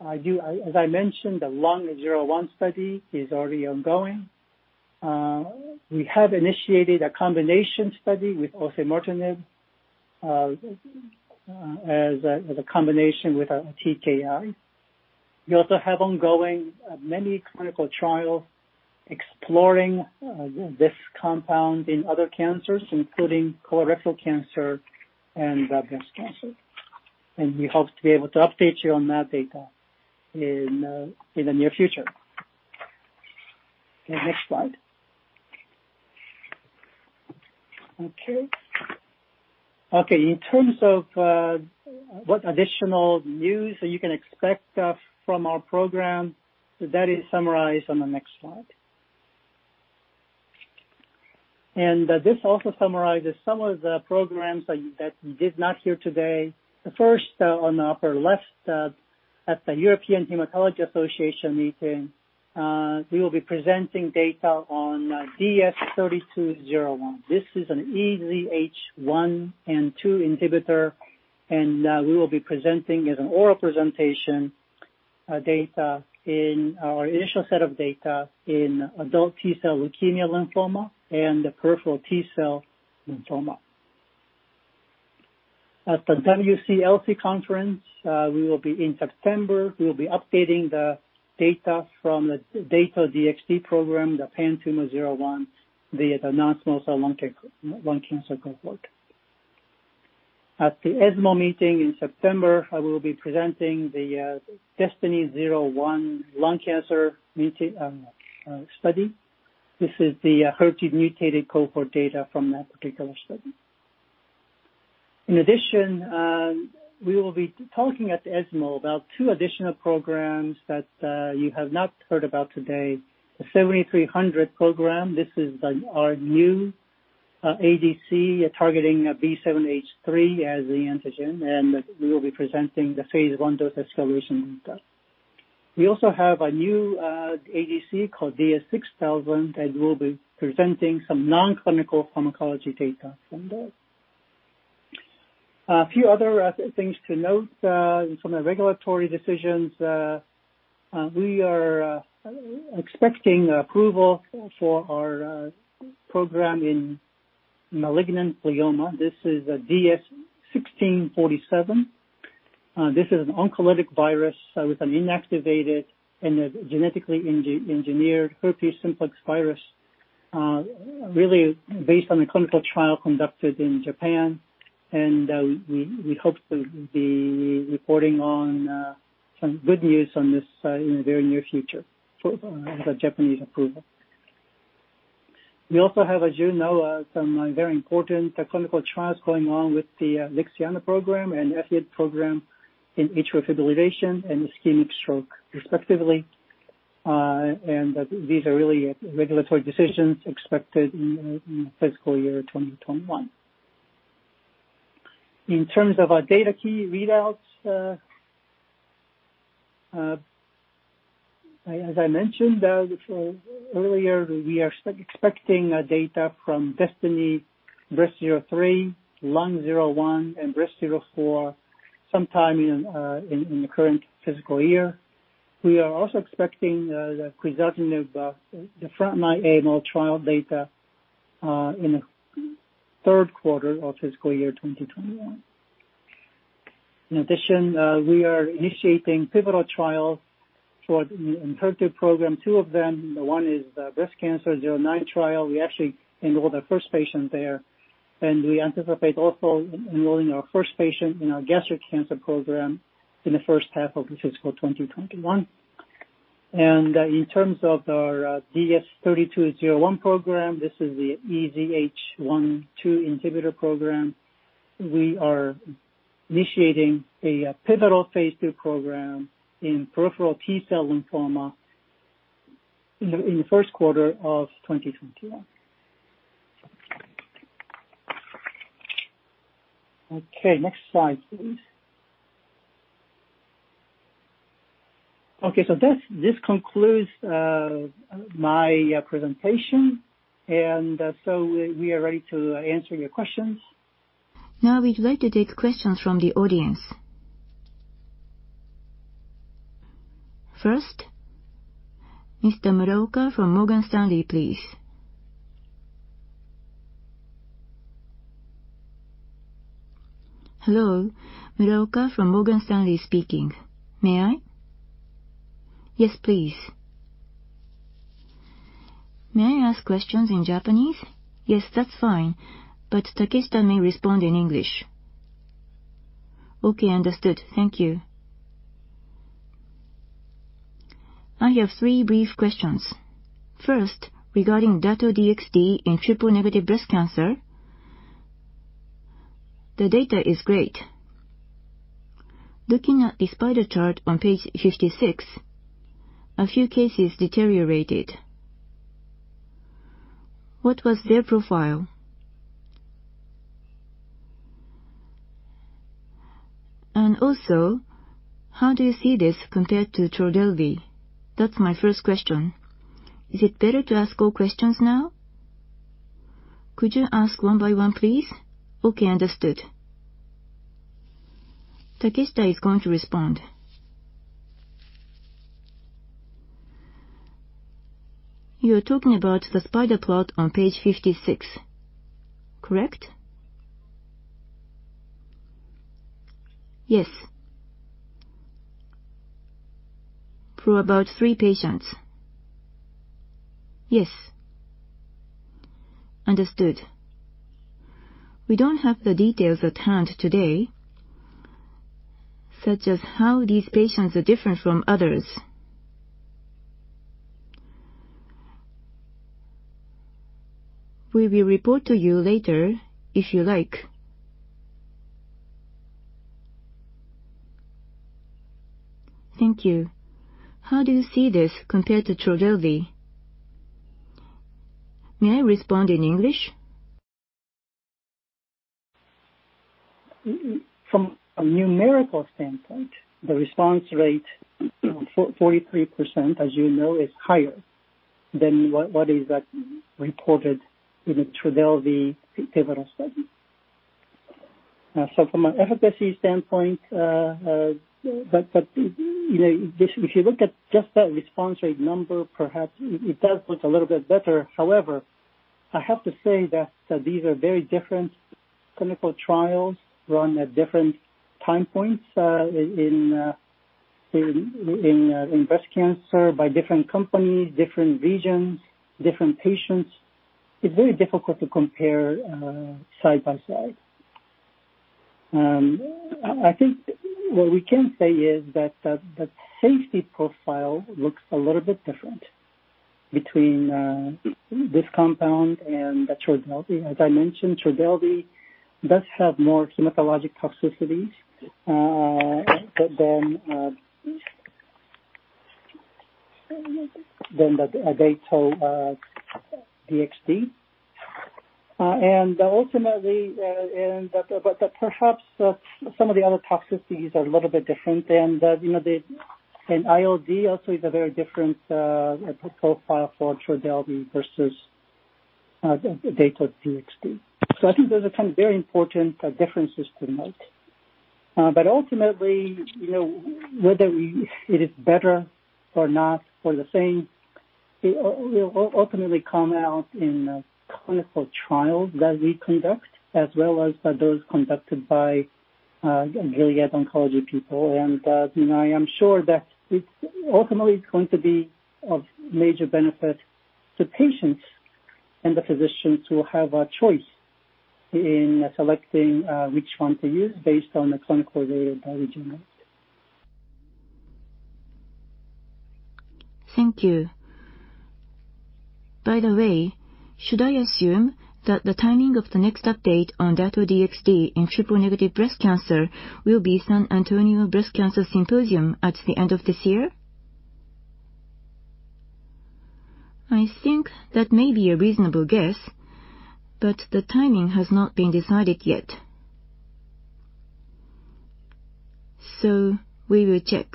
I mentioned, the LUNG-01 study is already ongoing. We have initiated a combination study with osimertinib as a combination with TKI. We also have ongoing many clinical trials exploring this compound in other cancers, including colorectal cancer and breast cancer. We hope to be able to update you on that data in the near future. Next slide. In terms of what additional news you can expect from our program, that is summarized on the next slide. This also summarizes some of the programs that you did not hear today. The first on the upper left sub at the European Hematology Association meeting, we will be presenting data on DS3201. This is an EZH1 and EZH2 inhibitor. We will be presenting an oral presentation data in our initial set of data in adult T-cell leukemia lymphoma and the peripheral T-cell lymphoma. At the WCLC conference, in September, we'll be updating the data from the Dato-DXd program, the TROPION-PanTumor01, the non-small cell lung cancer cohort. At the ESMO meeting in September, we will be presenting the DESTINY-Lung01 lung cancer study. This is the HER2 mutated cohort data from that particular study. In addition, we will be talking at the ESMO about two additional programs that you have not heard about today. The DS-7300 program, this is our new ADC targeting B7-H3 as the antigen. We will be presenting the phase I dose-escalation data. We also have a new ADC called DS-6000 that we'll be presenting some non-clinical pharmacology data from that. A few other things to note from the regulatory decisions, we are expecting approval for our program in malignant glioma. This is DS-1647. This is an oncolytic virus with an inactivated and a genetically engineered herpes simplex virus, really based on a clinical trial conducted in Japan, and we hope to be reporting on some good news on this in the very near future after Japanese approval. We also have, as you know, some very important clinical trials going on with the LIXIANA program and EDOSURE program in atrial fibrillation and ischemic stroke respectively. These are really regulatory decisions expected in fiscal year 2021. In terms of our data key readouts, as I mentioned a little earlier, we are expecting data from DESTINY-Breast03, DESTINY-Lung01, and DESTINY-Breast04 sometime in the current fiscal year. We are also expecting the presenting of the frontline AML trial data in the third quarter of fiscal year 2021. We are initiating pivotal trials for the ENHERTU program, two of them. One is the DESTINY-Breast09 trial. We actually enrolled the first patient there. We anticipate also enrolling our first patient in our gastric cancer program in the first half of fiscal 2021. In terms of our DS-3201 program, this is the EZH1/2 inhibitor program. We are initiating a pivotal phase II program in peripheral T-cell lymphoma in the first quarter of 2021. Next slide, please. This concludes my presentation. We are ready to answer your questions. Now, we'd like to take questions from the audience. First, Mr. Muraoka from Morgan Stanley, please. Hello, Muraoka from Morgan Stanley speaking. May I? Yes, please. May I ask questions in Japanese? Yes, that's fine, but Takeshita may respond in English. Okay, understood. Thank you. I have three brief questions. First, regarding Dato-DXd in triple-negative breast cancer, the data is great. Looking at the spider chart on page 56, a few cases deteriorated. What was their profile? How do you see this compared to Trodelvy? That's my first question. Is it better to ask all questions now? Could you ask one by one, please? Okay, understood. Takeshita is going to respond. You're talking about the spider plot on page 56, correct? Yes. For about three patients? Yes. Understood. We don't have the details at hand today, such as how these patients are different from others. We will report to you later if you like. Thank you. How do you see this compared to Trodelvy? May I respond in English? From a numerical standpoint, the response rate, 43%, as you know, is higher than what is reported with the Trodelvy pivotal study. From an efficacy standpoint, if you look at just that response rate number, perhaps it does look a little bit better. I have to say that these are very different clinical trials run at different time points in breast cancer by different companies, different regions, different patients. It's very difficult to compare side by side. I think what we can say is that the safety profile looks a little bit different between this compound and the Trodelvy. As I mentioned, Trodelvy does have more hematologic toxicities than Dato-DXd. Ultimately, perhaps some of the other toxicities are a little bit different. ILD also is a very different profile for Trodelvy versus Dato-DXd. I think those are some very important differences to note. Ultimately, whether it is better or not, or the same. It will ultimately come out in the clinical trials that we conduct, as well as those conducted by Gilead oncology people. I am sure that it's ultimately going to be of major benefit to patients and the physicians who have a choice in selecting which one to use based on the clinical data they generate. Thank you. By the way, should I assume that the timing of the next update on Dato-DXd in triple-negative breast cancer will be San Antonio Breast Cancer Symposium at the end of this year? I think that may be a reasonable guess, but the timing has not been decided yet. We will check.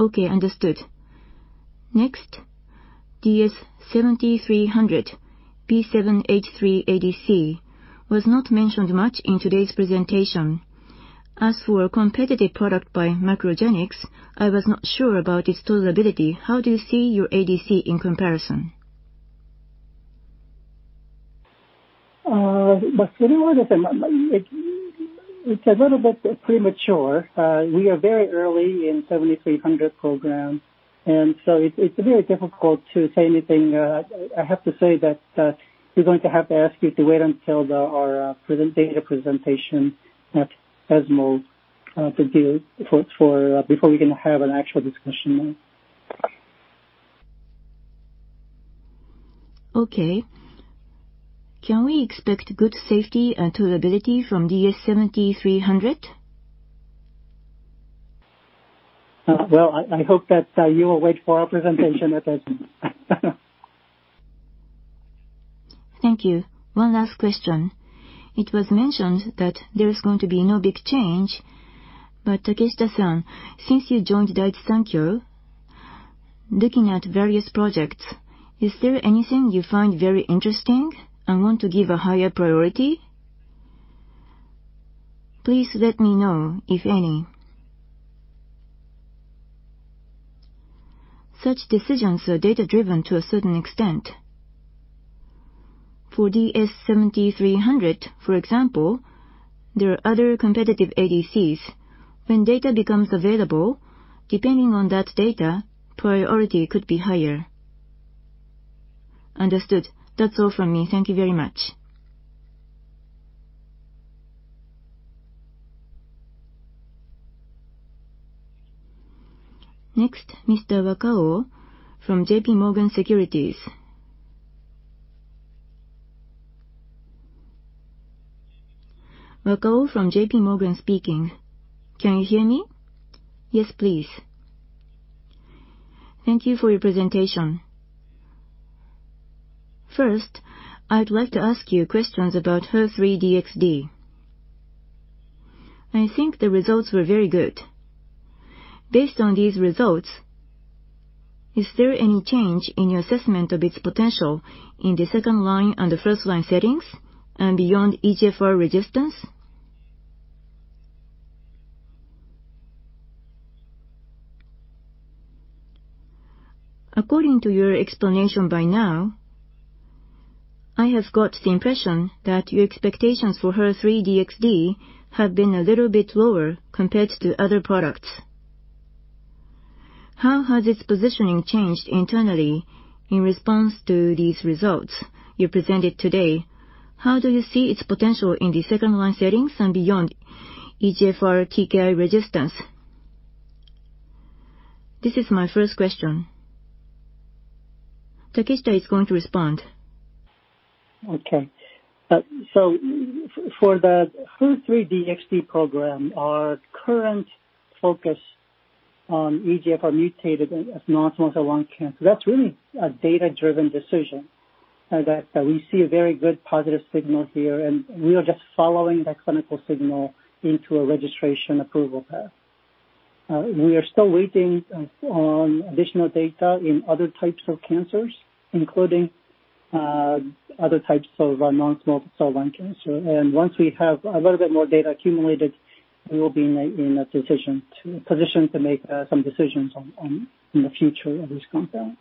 Okay, understood. Next, DS-7300, B7-H3 ADC, was not mentioned much in today's presentation. As for a competitive product by MacroGenics, I was not sure about its tolerability. How do you see your ADC in comparison? It's a little bit premature. We are very early in the 7300 program. It's very difficult to say anything. I have to say that we're going to have to ask you to wait until our data presentation at ESMO before we can have an actual discussion on it. Okay. Can we expect good safety and tolerability from DS-7300? Well, I hope that you will wait for our presentation at ESMO. Thank you. One last question. It was mentioned that there is going to be no big change. Takeshita-san, since you joined Daiichi Sankyo, looking at various projects, is there anything you find very interesting and want to give a higher priority? Please let me know if any. Such decisions are data-driven to a certain extent. For DS-7300, for example, there are other competitive ADCs. When data becomes available, depending on that data, priority could be higher. Understood. That's all from me. Thank you very much. Next, Mr. Wakao from JPMorgan Securities. Wakao from JPMorgan speaking. Can you hear me? Yes, please. Thank you for your presentation. First, I'd like to ask you questions about HER3-DXd. I think the results were very good. Based on these results, is there any change in your assessment of its potential in the second-line and the first-line settings and beyond EGFR resistance? According to your explanation by now, I has got the impression that your expectations for HER3-DXd had been a little bit lower compared to the other products. How has its positioning changed internally in response to these results you presented today? How do you see its potential in the second-line settings and beyond EGFR TKI resistance? This is my first question. Takeshita is going to respond. For the HER3-DXd program, our current focus on EGFR mutated and non-small cell lung cancer, that's really a data-driven decision. We see a very good positive signal here, and we are just following that clinical signal into a registration approval path. We are still waiting on additional data in other types of cancers, including other types of non-small cell lung cancer. Once we have a little bit more data accumulated, we will be in a position to make some decisions on the future of this compound.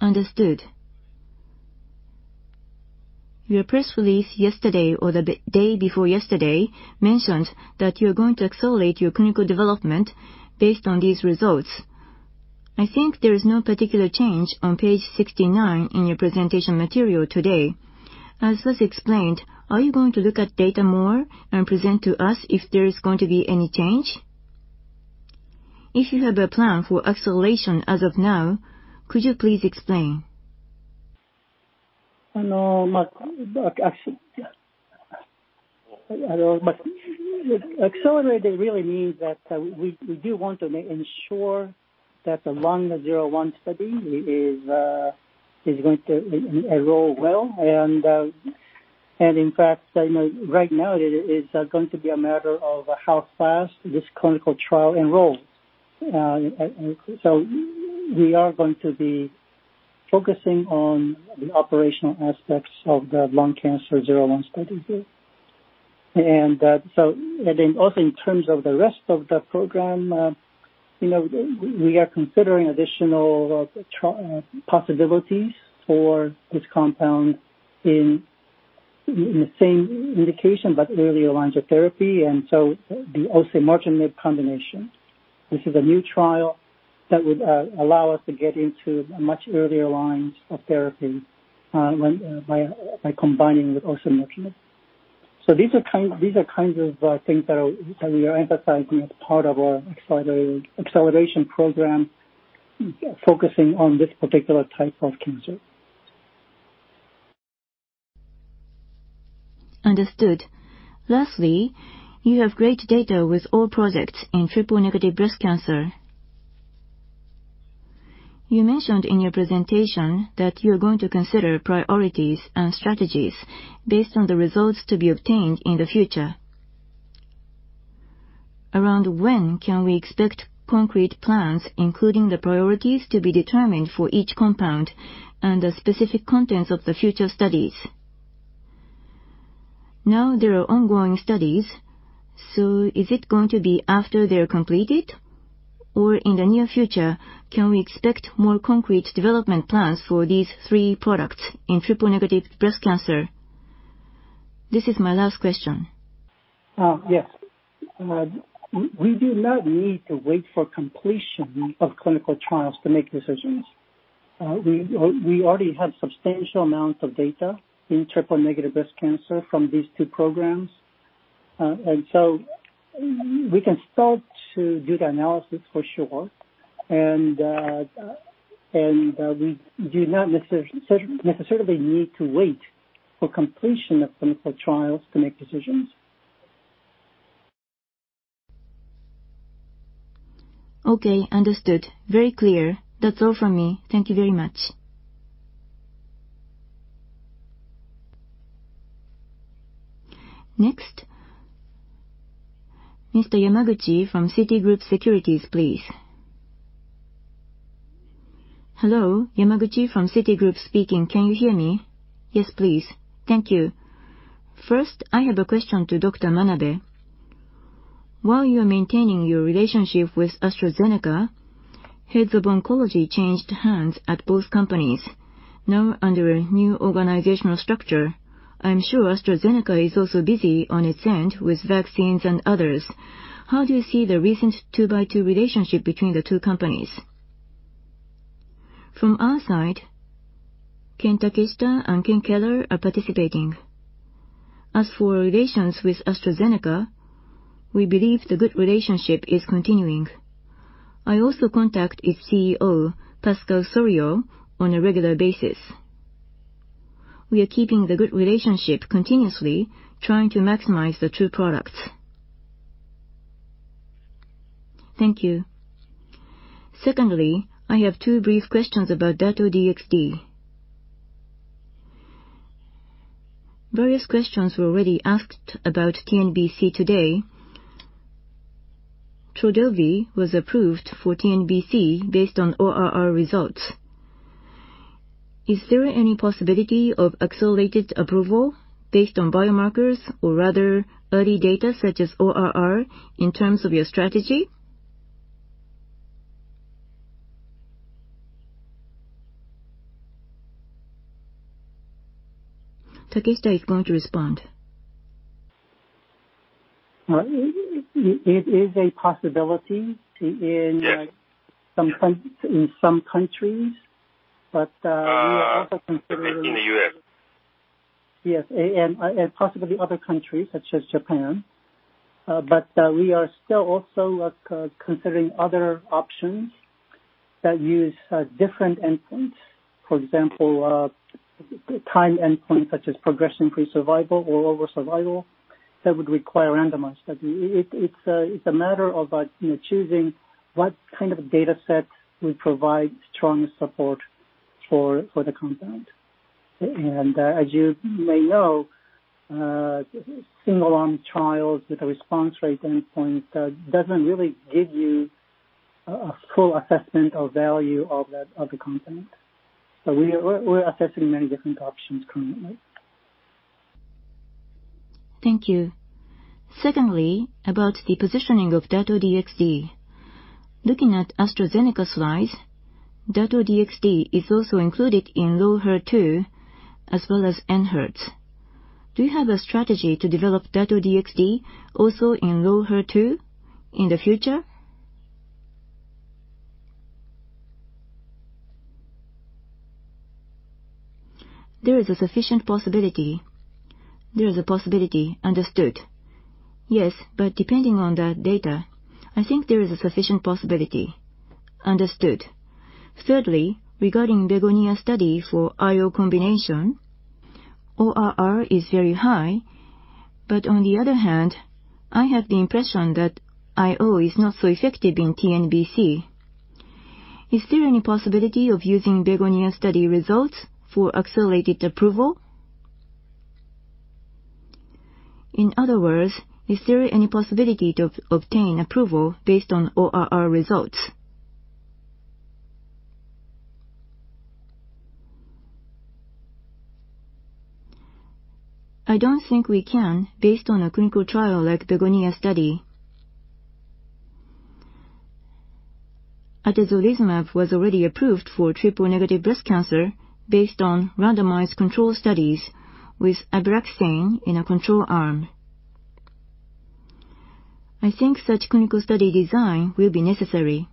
Understood. Your press release yesterday or the day before yesterday mentioned that you're going to accelerate your clinical development based on these results. I think there is no particular change on page 69 in your presentation material today. As just explained, are you going to look at data more and present to us if there is going to be any change? If you have a plan for acceleration as of now, could you please explain? Accelerated really means that we do want to ensure that the LUNG-01 study is going to enroll well. In fact, right now, it's going to be a matter of how fast this clinical trial enrolls. We are going to be focusing on the operational aspects of the lung cancer 01 strategy. Also in terms of the rest of the program, we are considering additional possibilities for this compound in the same indication, but earlier lines of therapy. The osimertinib combination. This is a new trial that would allow us to get into a much earlier line of therapy by combining with osimertinib. These are kinds of things that we are emphasizing as part of the acceleration program, focusing on this particular type of cancer. Understood. Lastly, you have great data with all projects in triple-negative breast cancer. You mentioned in your presentation that you are going to consider priorities and strategies based on the results to be obtained in the future. Around when can we expect concrete plans, including the priorities to be determined for each compound and the specific contents of the future studies? Now there are ongoing studies, so is it going to be after they are completed, or in the near future, can we expect more concrete development plans for these three products in triple-negative breast cancer? This is my last question. Yes. We do not need to wait for completion of clinical trials to make decisions. We already have substantial amounts of data in triple-negative breast cancer from these two programs. We can start to do the analysis for sure, and we do not necessarily need to wait for completion of clinical trials to make decisions. Okay, understood. Very clear. That's all from me. Thank you very much. Next, Mr. Yamaguchi from Citigroup Securities, please. Hello, Yamaguchi from Citigroup speaking. Can you hear me? Yes, please. Thank you. I have a question to Dr. Manabe. While you're maintaining your relationship with AstraZeneca, heads of oncology changed hands at both companies. Under a new organizational structure, I'm sure AstraZeneca is also busy on its end with vaccines and others. How do you see the recent two-by-two relationship between the two companies? From our side, Ken Takeshita and Ken Keller are participating. As for our relations with AstraZeneca, we believe the good relationship is continuing. I also contact its CEO, Pascal Soriot, on a regular basis. We are keeping the good relationship continuously, trying to maximize the two products. Thank you. Secondly, I have two brief questions about Dato-DXd. Various questions were already asked about TNBC today. Trodelvy was approved for TNBC based on ORR results. Is there any possibility of accelerated approval based on biomarkers or rather early data such as ORR in terms of your strategy? Takeshita is going to respond. It is a possibility in some countries, but we are also considering. Yes, and possibly other countries such as Japan. We are still also considering other options that use different endpoints. For example, time endpoint such as progression-free survival or overall survival, that would require a randomized study. It's a matter of choosing what kind of data sets would provide stronger support for the compound. As you may know, a single-arm trial with a response rate endpoint doesn't really give you a full assessment of value of the compound. We're assessing many different options currently. Thank you. Secondly, about the positioning of Dato-DXd. Looking at AstraZeneca slides, Dato-DXd is also included in HER2-low as well as ENHERTU. Do you have a strategy to develop Dato-DXd also in HER2-low in the future? There is a sufficient possibility. There is a possibility. Understood. Depending on the data, I think there is a sufficient possibility. Understood. Thirdly, regarding BEGONIA study for IO combination, ORR is very high, on the other hand, I have the impression that IO is not so effective in TNBC. Is there any possibility of using BEGONIA study results for accelerated approval? In other words, is there any possibility to obtain approval based on ORR results? I don't think we can based on a clinical trial like the BEGONIA study, atezolizumab was already approved for triple-negative breast cancer based on randomized control studies with Abraxane in a control arm. I think such clinical study design will be necessary.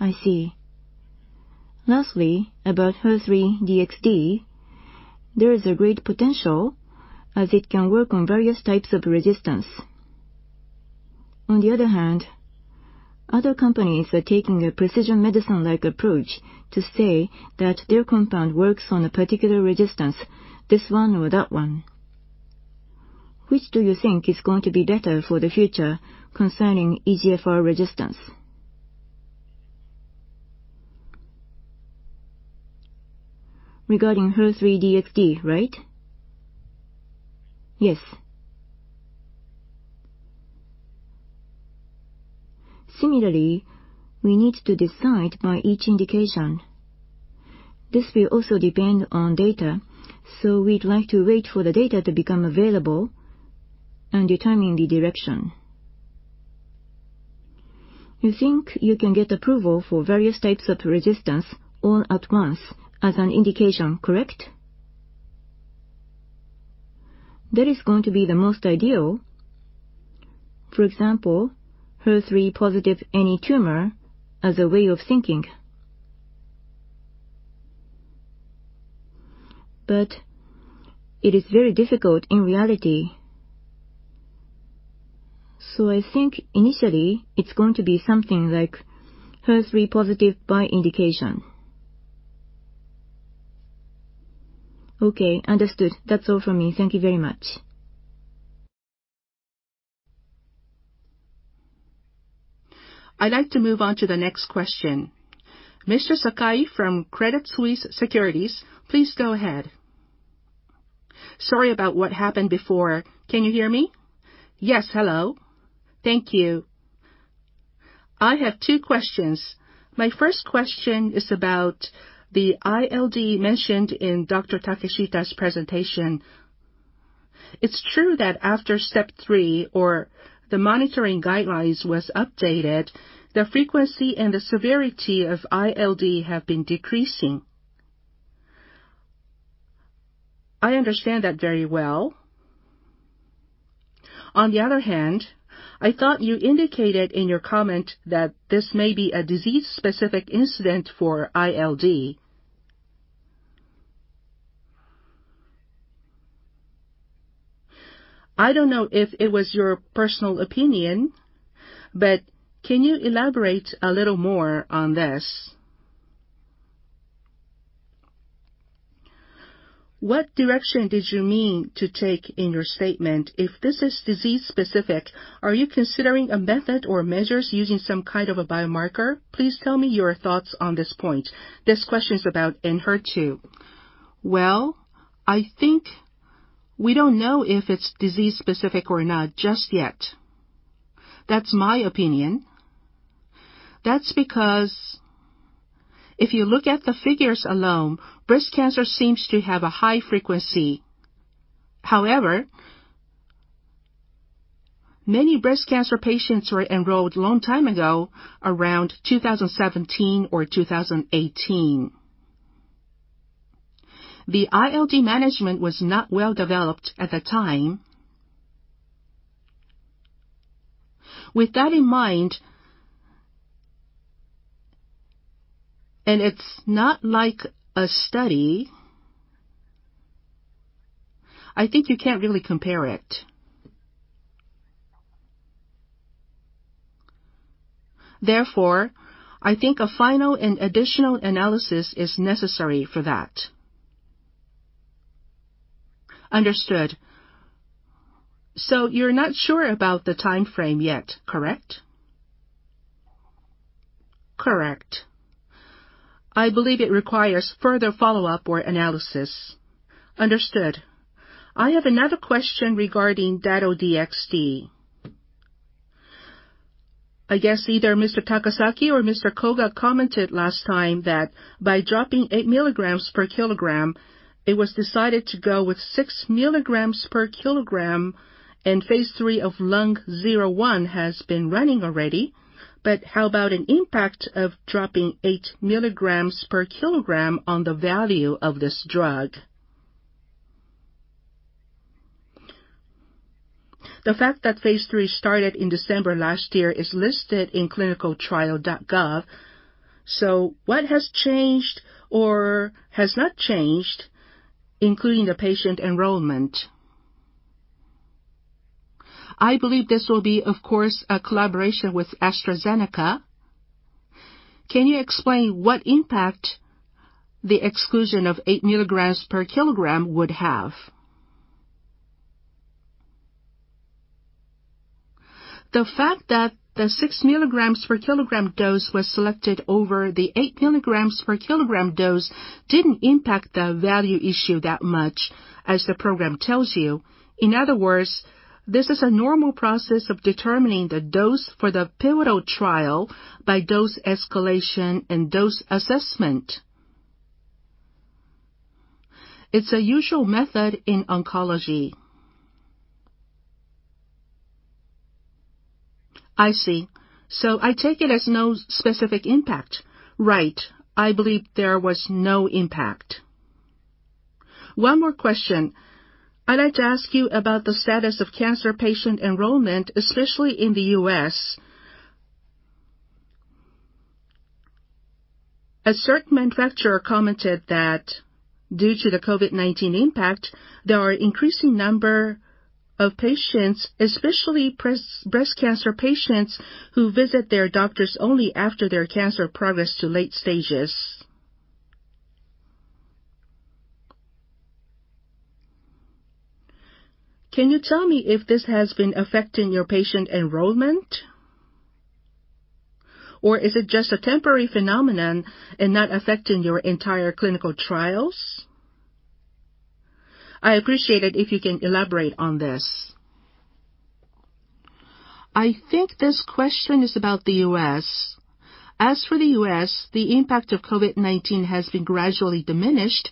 I see. Lastly, about HER3-DXd, there is a great potential as it can work on various types of resistance. On the other hand, other companies are taking a precision medicine-like approach to say that their compound works on a particular resistance, this one or that one. Which do you think is going to be better for the future concerning EGFR resistance? Regarding HER3-DXd, right? Yes. Similarly, we need to decide by each indication. This will also depend on data, so we'd like to wait for the data to become available and determine the direction. You think you can get approval for various types of resistance all at once as an indication, correct? That is going to be the most ideal. For example, HER3-positive any tumor as a way of thinking. It is very difficult in reality. I think initially it's going to be something like HER3-positive by indication. Okay, understood. That's all for me. Thank you very much. I'd like to move on to the next question. Mr. Sakai from Credit Suisse Securities, please go ahead. Sorry about what happened before. Can you hear me? Yes, hello. Thank you. I have two questions. My first question is about the ILD mentioned in Dr. Takeshita's presentation. It is true that after step three or the monitoring guidelines was updated, the frequency and the severity of ILD have been decreasing. I understand that very well, on the other hand, I thought you indicated in your comment that this may be a disease-specific incident for ILD. I don't know if it was your personal opinion, but can you elaborate a little more on this? What direction did you mean to take in your statement if this is disease-specific? Are you considering a method or measures using some kind of a biomarker? Please tell me your thoughts on this point. This question is about ENHERTU. Well, I think we don't know if it's disease-specific or not just yet. That's my opinion. That's because if you look at the figures alone, breast cancer seems to have a high frequency. However, many breast cancer patients were enrolled a long time ago, around 2017 or 2018. The ILD management was not well developed at the time. With that in mind, and it's not like a study, I think you can't really compare it. Therefore, I think a final and additional analysis is necessary for that. Understood. You're not sure about the timeframe yet, correct? Correct. I believe it requires further follow-up or analysis. Understood. I have another question regarding Dato-DXd. I guess either Mr. Takasaki or Mr. Koga commented last time that by dropping 8 mg per kilogram, it was decided to go with 6 mg per kilogram, and phase III of LUNG-01 has been running already. How about an impact of dropping 8 mg per kilogram on the value of this drug? The fact that phase III started in December last year is listed in ClinicalTrials.gov. What has changed or has not changed, including the patient enrollment? I believe this will be, of course, a collaboration with AstraZeneca. Can you explain what impact the exclusion of 8 mg per kilogram would have? The fact that the 6 mg per kilogram dose was selected over the 8 mg per kilogram dose didn't impact the value issue that much, as the program tells you. In other words, this is a normal process of determining the dose for the pivotal trial by dose escalation and dose assessment. It's a usual method in oncology. I see. I take it as no specific impact. Right. I believe there was no impact. One more question. I'd like to ask you about the status of cancer patient enrollment, especially in the U.S. A certain manufacturer commented that due to the COVID-19 impact, there are increasing number of patients, especially breast cancer patients, who visit their doctors only after their cancer progress to late stages. Can you tell me if this has been affecting your patient enrollment? Is it just a temporary phenomenon and not affecting your entire clinical trials? I appreciate it if you can elaborate on this. I think this question is about the U.S. As for the U.S., the impact of COVID-19 has been gradually diminished,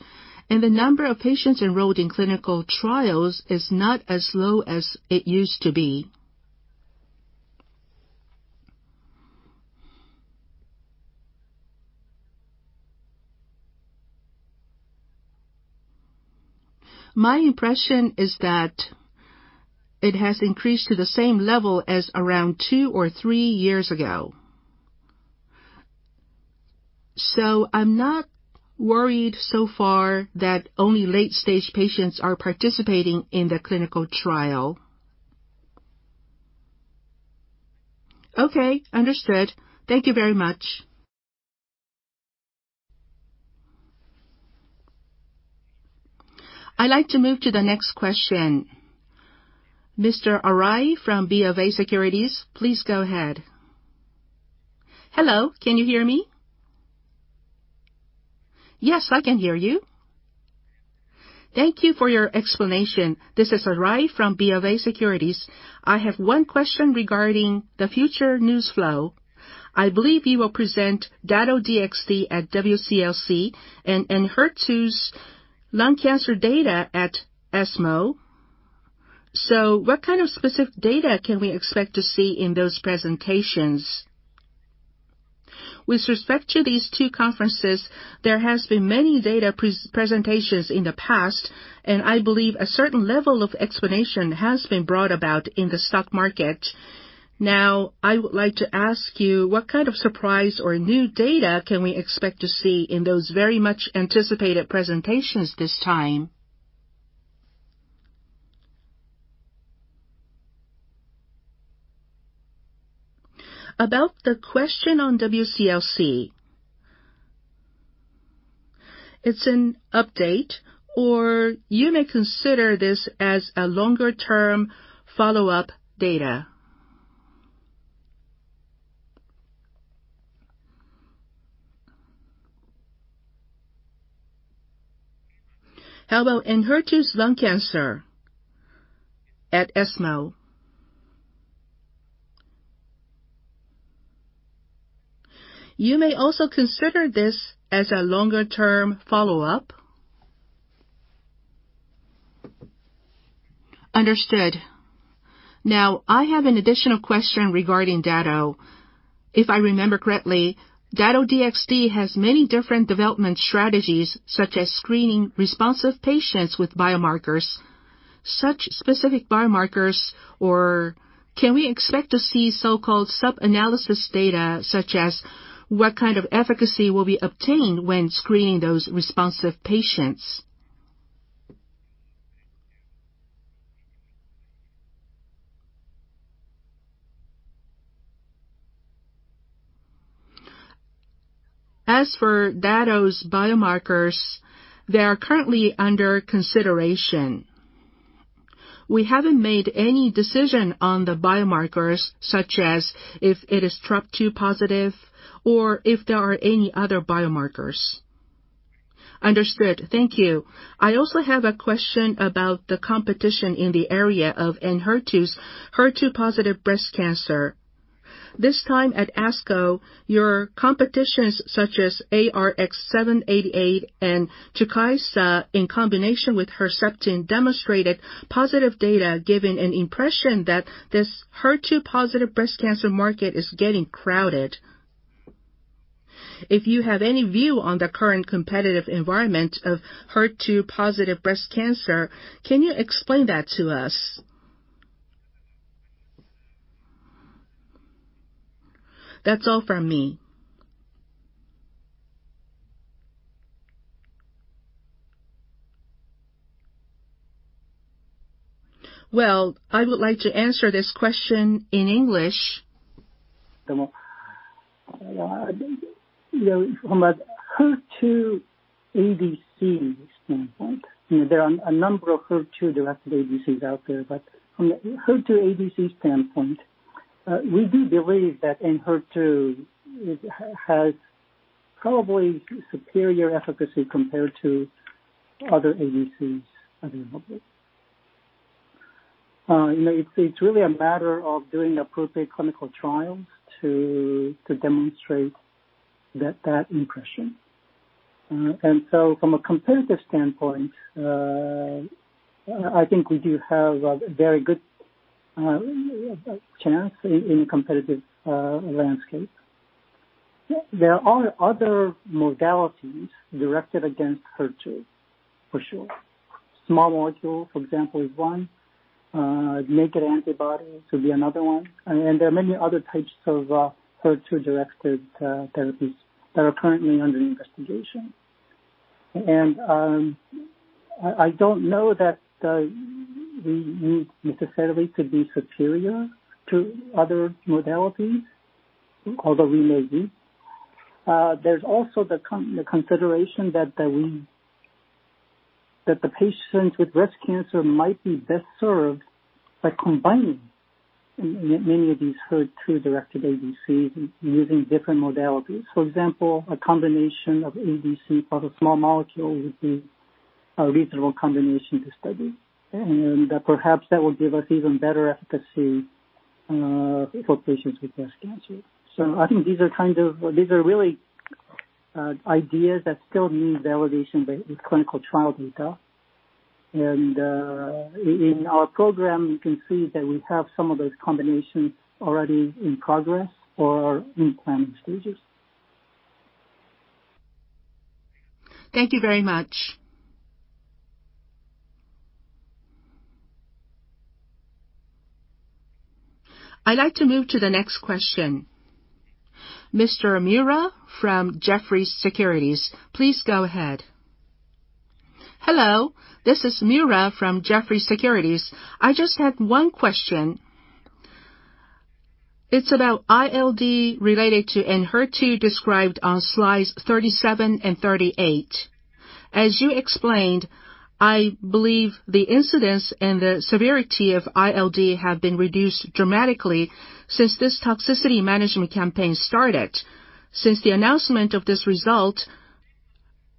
and the number of patients enrolled in clinical trials is not as low as it used to be. My impression is that it has increased to the same level as around two or three years ago. I'm not worried so far that only late-stage patients are participating in the clinical trial. Okay, understood. Thank you very much. I'd like to move to the next question. Mr. Arai from BofA Securities, please go ahead. Hello, can you hear me? Yes, I can hear you. Thank you for your explanation. This is Arai from BofA Securities. I have one question regarding the future news flow. I believe you will present Dato-DXd at WCLC and ENHERTU's lung cancer data at ESMO. What kind of specific data can we expect to see in those presentations? With respect to these two conferences, there has been many data presentations in the past, and I believe a certain level of explanation has been brought about in the stock market. I would like to ask you, what kind of surprise or new data can we expect to see in those very much anticipated presentations this time? About the question on WCLC, it's an update, or you may consider this as a longer-term follow-up data. How about ENHERTU's lung cancer at ESMO? You may also consider this as a longer-term follow-up. Understood. I have an additional question regarding Dato-DXd. If I remember correctly, Dato-DXd has many different development strategies, such as screening responsive patients with biomarkers. Such specific biomarkers, or can we expect to see so-called sub-analysis data, such as what kind of efficacy will be obtained when screening those responsive patients? As for Dato-DXd's biomarkers, they are currently under consideration. We haven't made any decision on the biomarkers, such as if it is TROP2 positive or if there are any other biomarkers. Understood. Thank you. I also have a question about the competition in the area of ENHERTU's HER2-positive breast cancer. This time at ASCO, your competitions such as ARX788 and Tukysa in combination with Herceptin demonstrated positive data, giving an impression that this HER2-positive breast cancer market is getting crowded. If you have any view on the current competitive environment of HER2-positive breast cancer, can you explain that to us? That's all from me. Well, I would like to answer this question in English. From a HER2 ADC standpoint, there are a number of HER2-directed ADCs out there. From a HER2 ADC standpoint, we do believe that ENHERTU has probably superior efficacy compared to other ADCs available. It's really a matter of doing appropriate clinical trials to demonstrate that impression. From a competitive standpoint, I think we do have a very good chance in a competitive landscape. There are other modalities directed against HER2, for sure. Small molecule, for example, is one. Naked antibodies could be another one, and there are many other types of HER2-directed therapies that are currently under investigation. I don't know that we necessarily could be superior to other modalities, although we may be. There's also the consideration that the patients with breast cancer might be best served by combining many of these HER2-directed ADCs using different modalities. For example, a combination of ADC plus small molecule would be a reasonable combination to study. Perhaps that will give us even better efficacy for patients with breast cancer. I think these are really ideas that still need validation by clinical trial data. In our program, you can see that we have some of those combinations already in progress or in clinical stages. Thank you very much. I'd like to move to the next question. Mr. Miura from Jefferies Securities, please go ahead. Hello. This is Miura from Jefferies Securities. I just have one question. It's about ILD related to ENHERTU described on Slides 37 and 38. As you explained, I believe the incidence and the severity of ILD have been reduced dramatically since this toxicity management campaign started. Since the announcement of this result,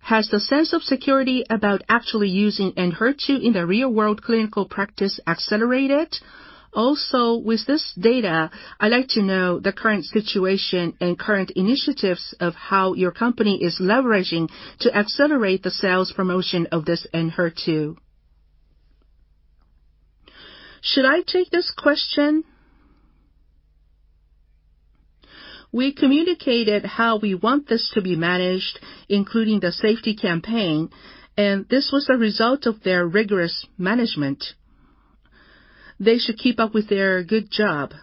has the sense of security about actually using ENHERTU in the real-world clinical practice accelerated? Also, with this data, I'd like to know the current situation and current initiatives of how your company is leveraging to accelerate the sales promotion of this ENHERTU. Should I take this question? We communicated how we want this to be managed, including the safety campaign, and this was a result of their rigorous management. They should keep up with their good job.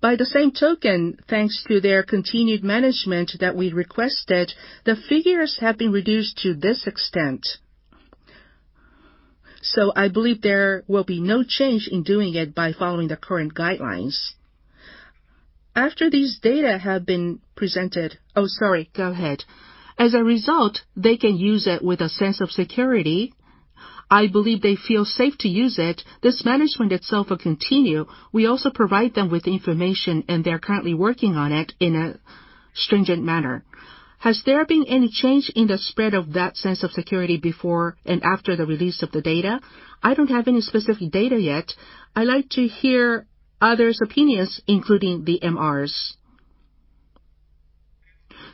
By the same token, thanks to their continued management that we requested, the figures have been reduced to this extent. I believe there will be no change in doing it by following the current guidelines. After these data have been presented. Oh, sorry. Go ahead. As a result, they can use it with a sense of security. I believe they feel safe to use it. This management itself will continue. We also provide them with information, and they are currently working on it in a stringent manner. Has there been any change in the spread of that sense of security before and after the release of the data? I don't have any specific data yet. I'd like to hear others' opinions, including the MRs.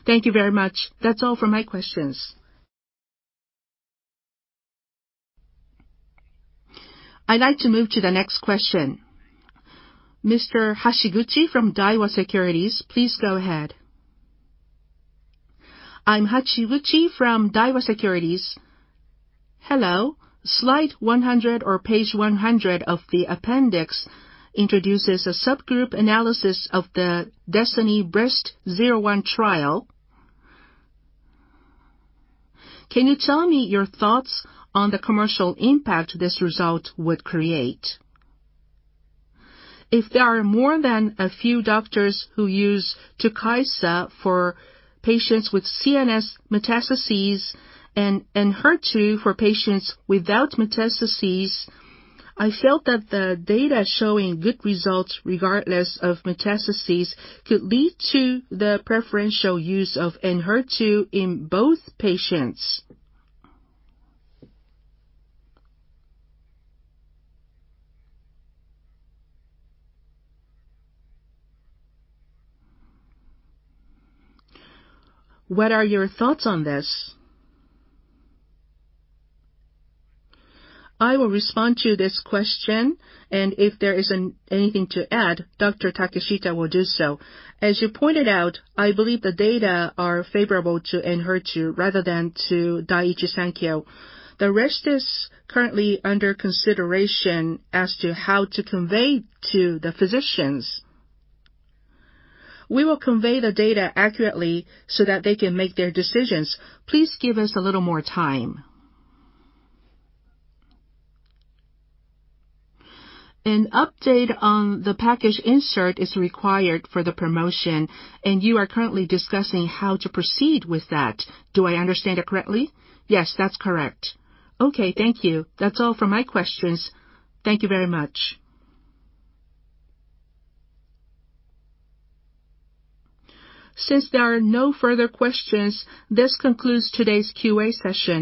Thank you very much. That's all for my questions. I'd like to move to the next question. Mr. Hashiguchi from Daiwa Securities, please go ahead. I'm Hashiguchi from Daiwa Securities. Hello. Slide 100 or Page 100 of the appendix introduces a subgroup analysis of the DESTINY-Breast01 trial. Can you tell me your thoughts on the commercial impact this result would create? If there are more than a few doctors who use Tukysa for patients with CNS metastases and ENHERTU for patients without metastases, I felt that the data showing good results regardless of metastases could lead to the preferential use of ENHERTU in both patients. What are your thoughts on this? I will respond to this question. If there is anything to add, Dr. Takeshita will do so. As you pointed out, I believe the data are favorable to ENHERTU rather than to Daiichi Sankyo. The rest is currently under consideration as to how to convey to the physicians. We will convey the data accurately so that they can make their decisions. Please give us a little more time. An update on the package insert is required for the promotion, and you are currently discussing how to proceed with that. Do I understand it correctly? Yes, that's correct. Okay, thank you. That's all for my questions. Thank you very much. Since there are no further questions, this concludes today's QA session.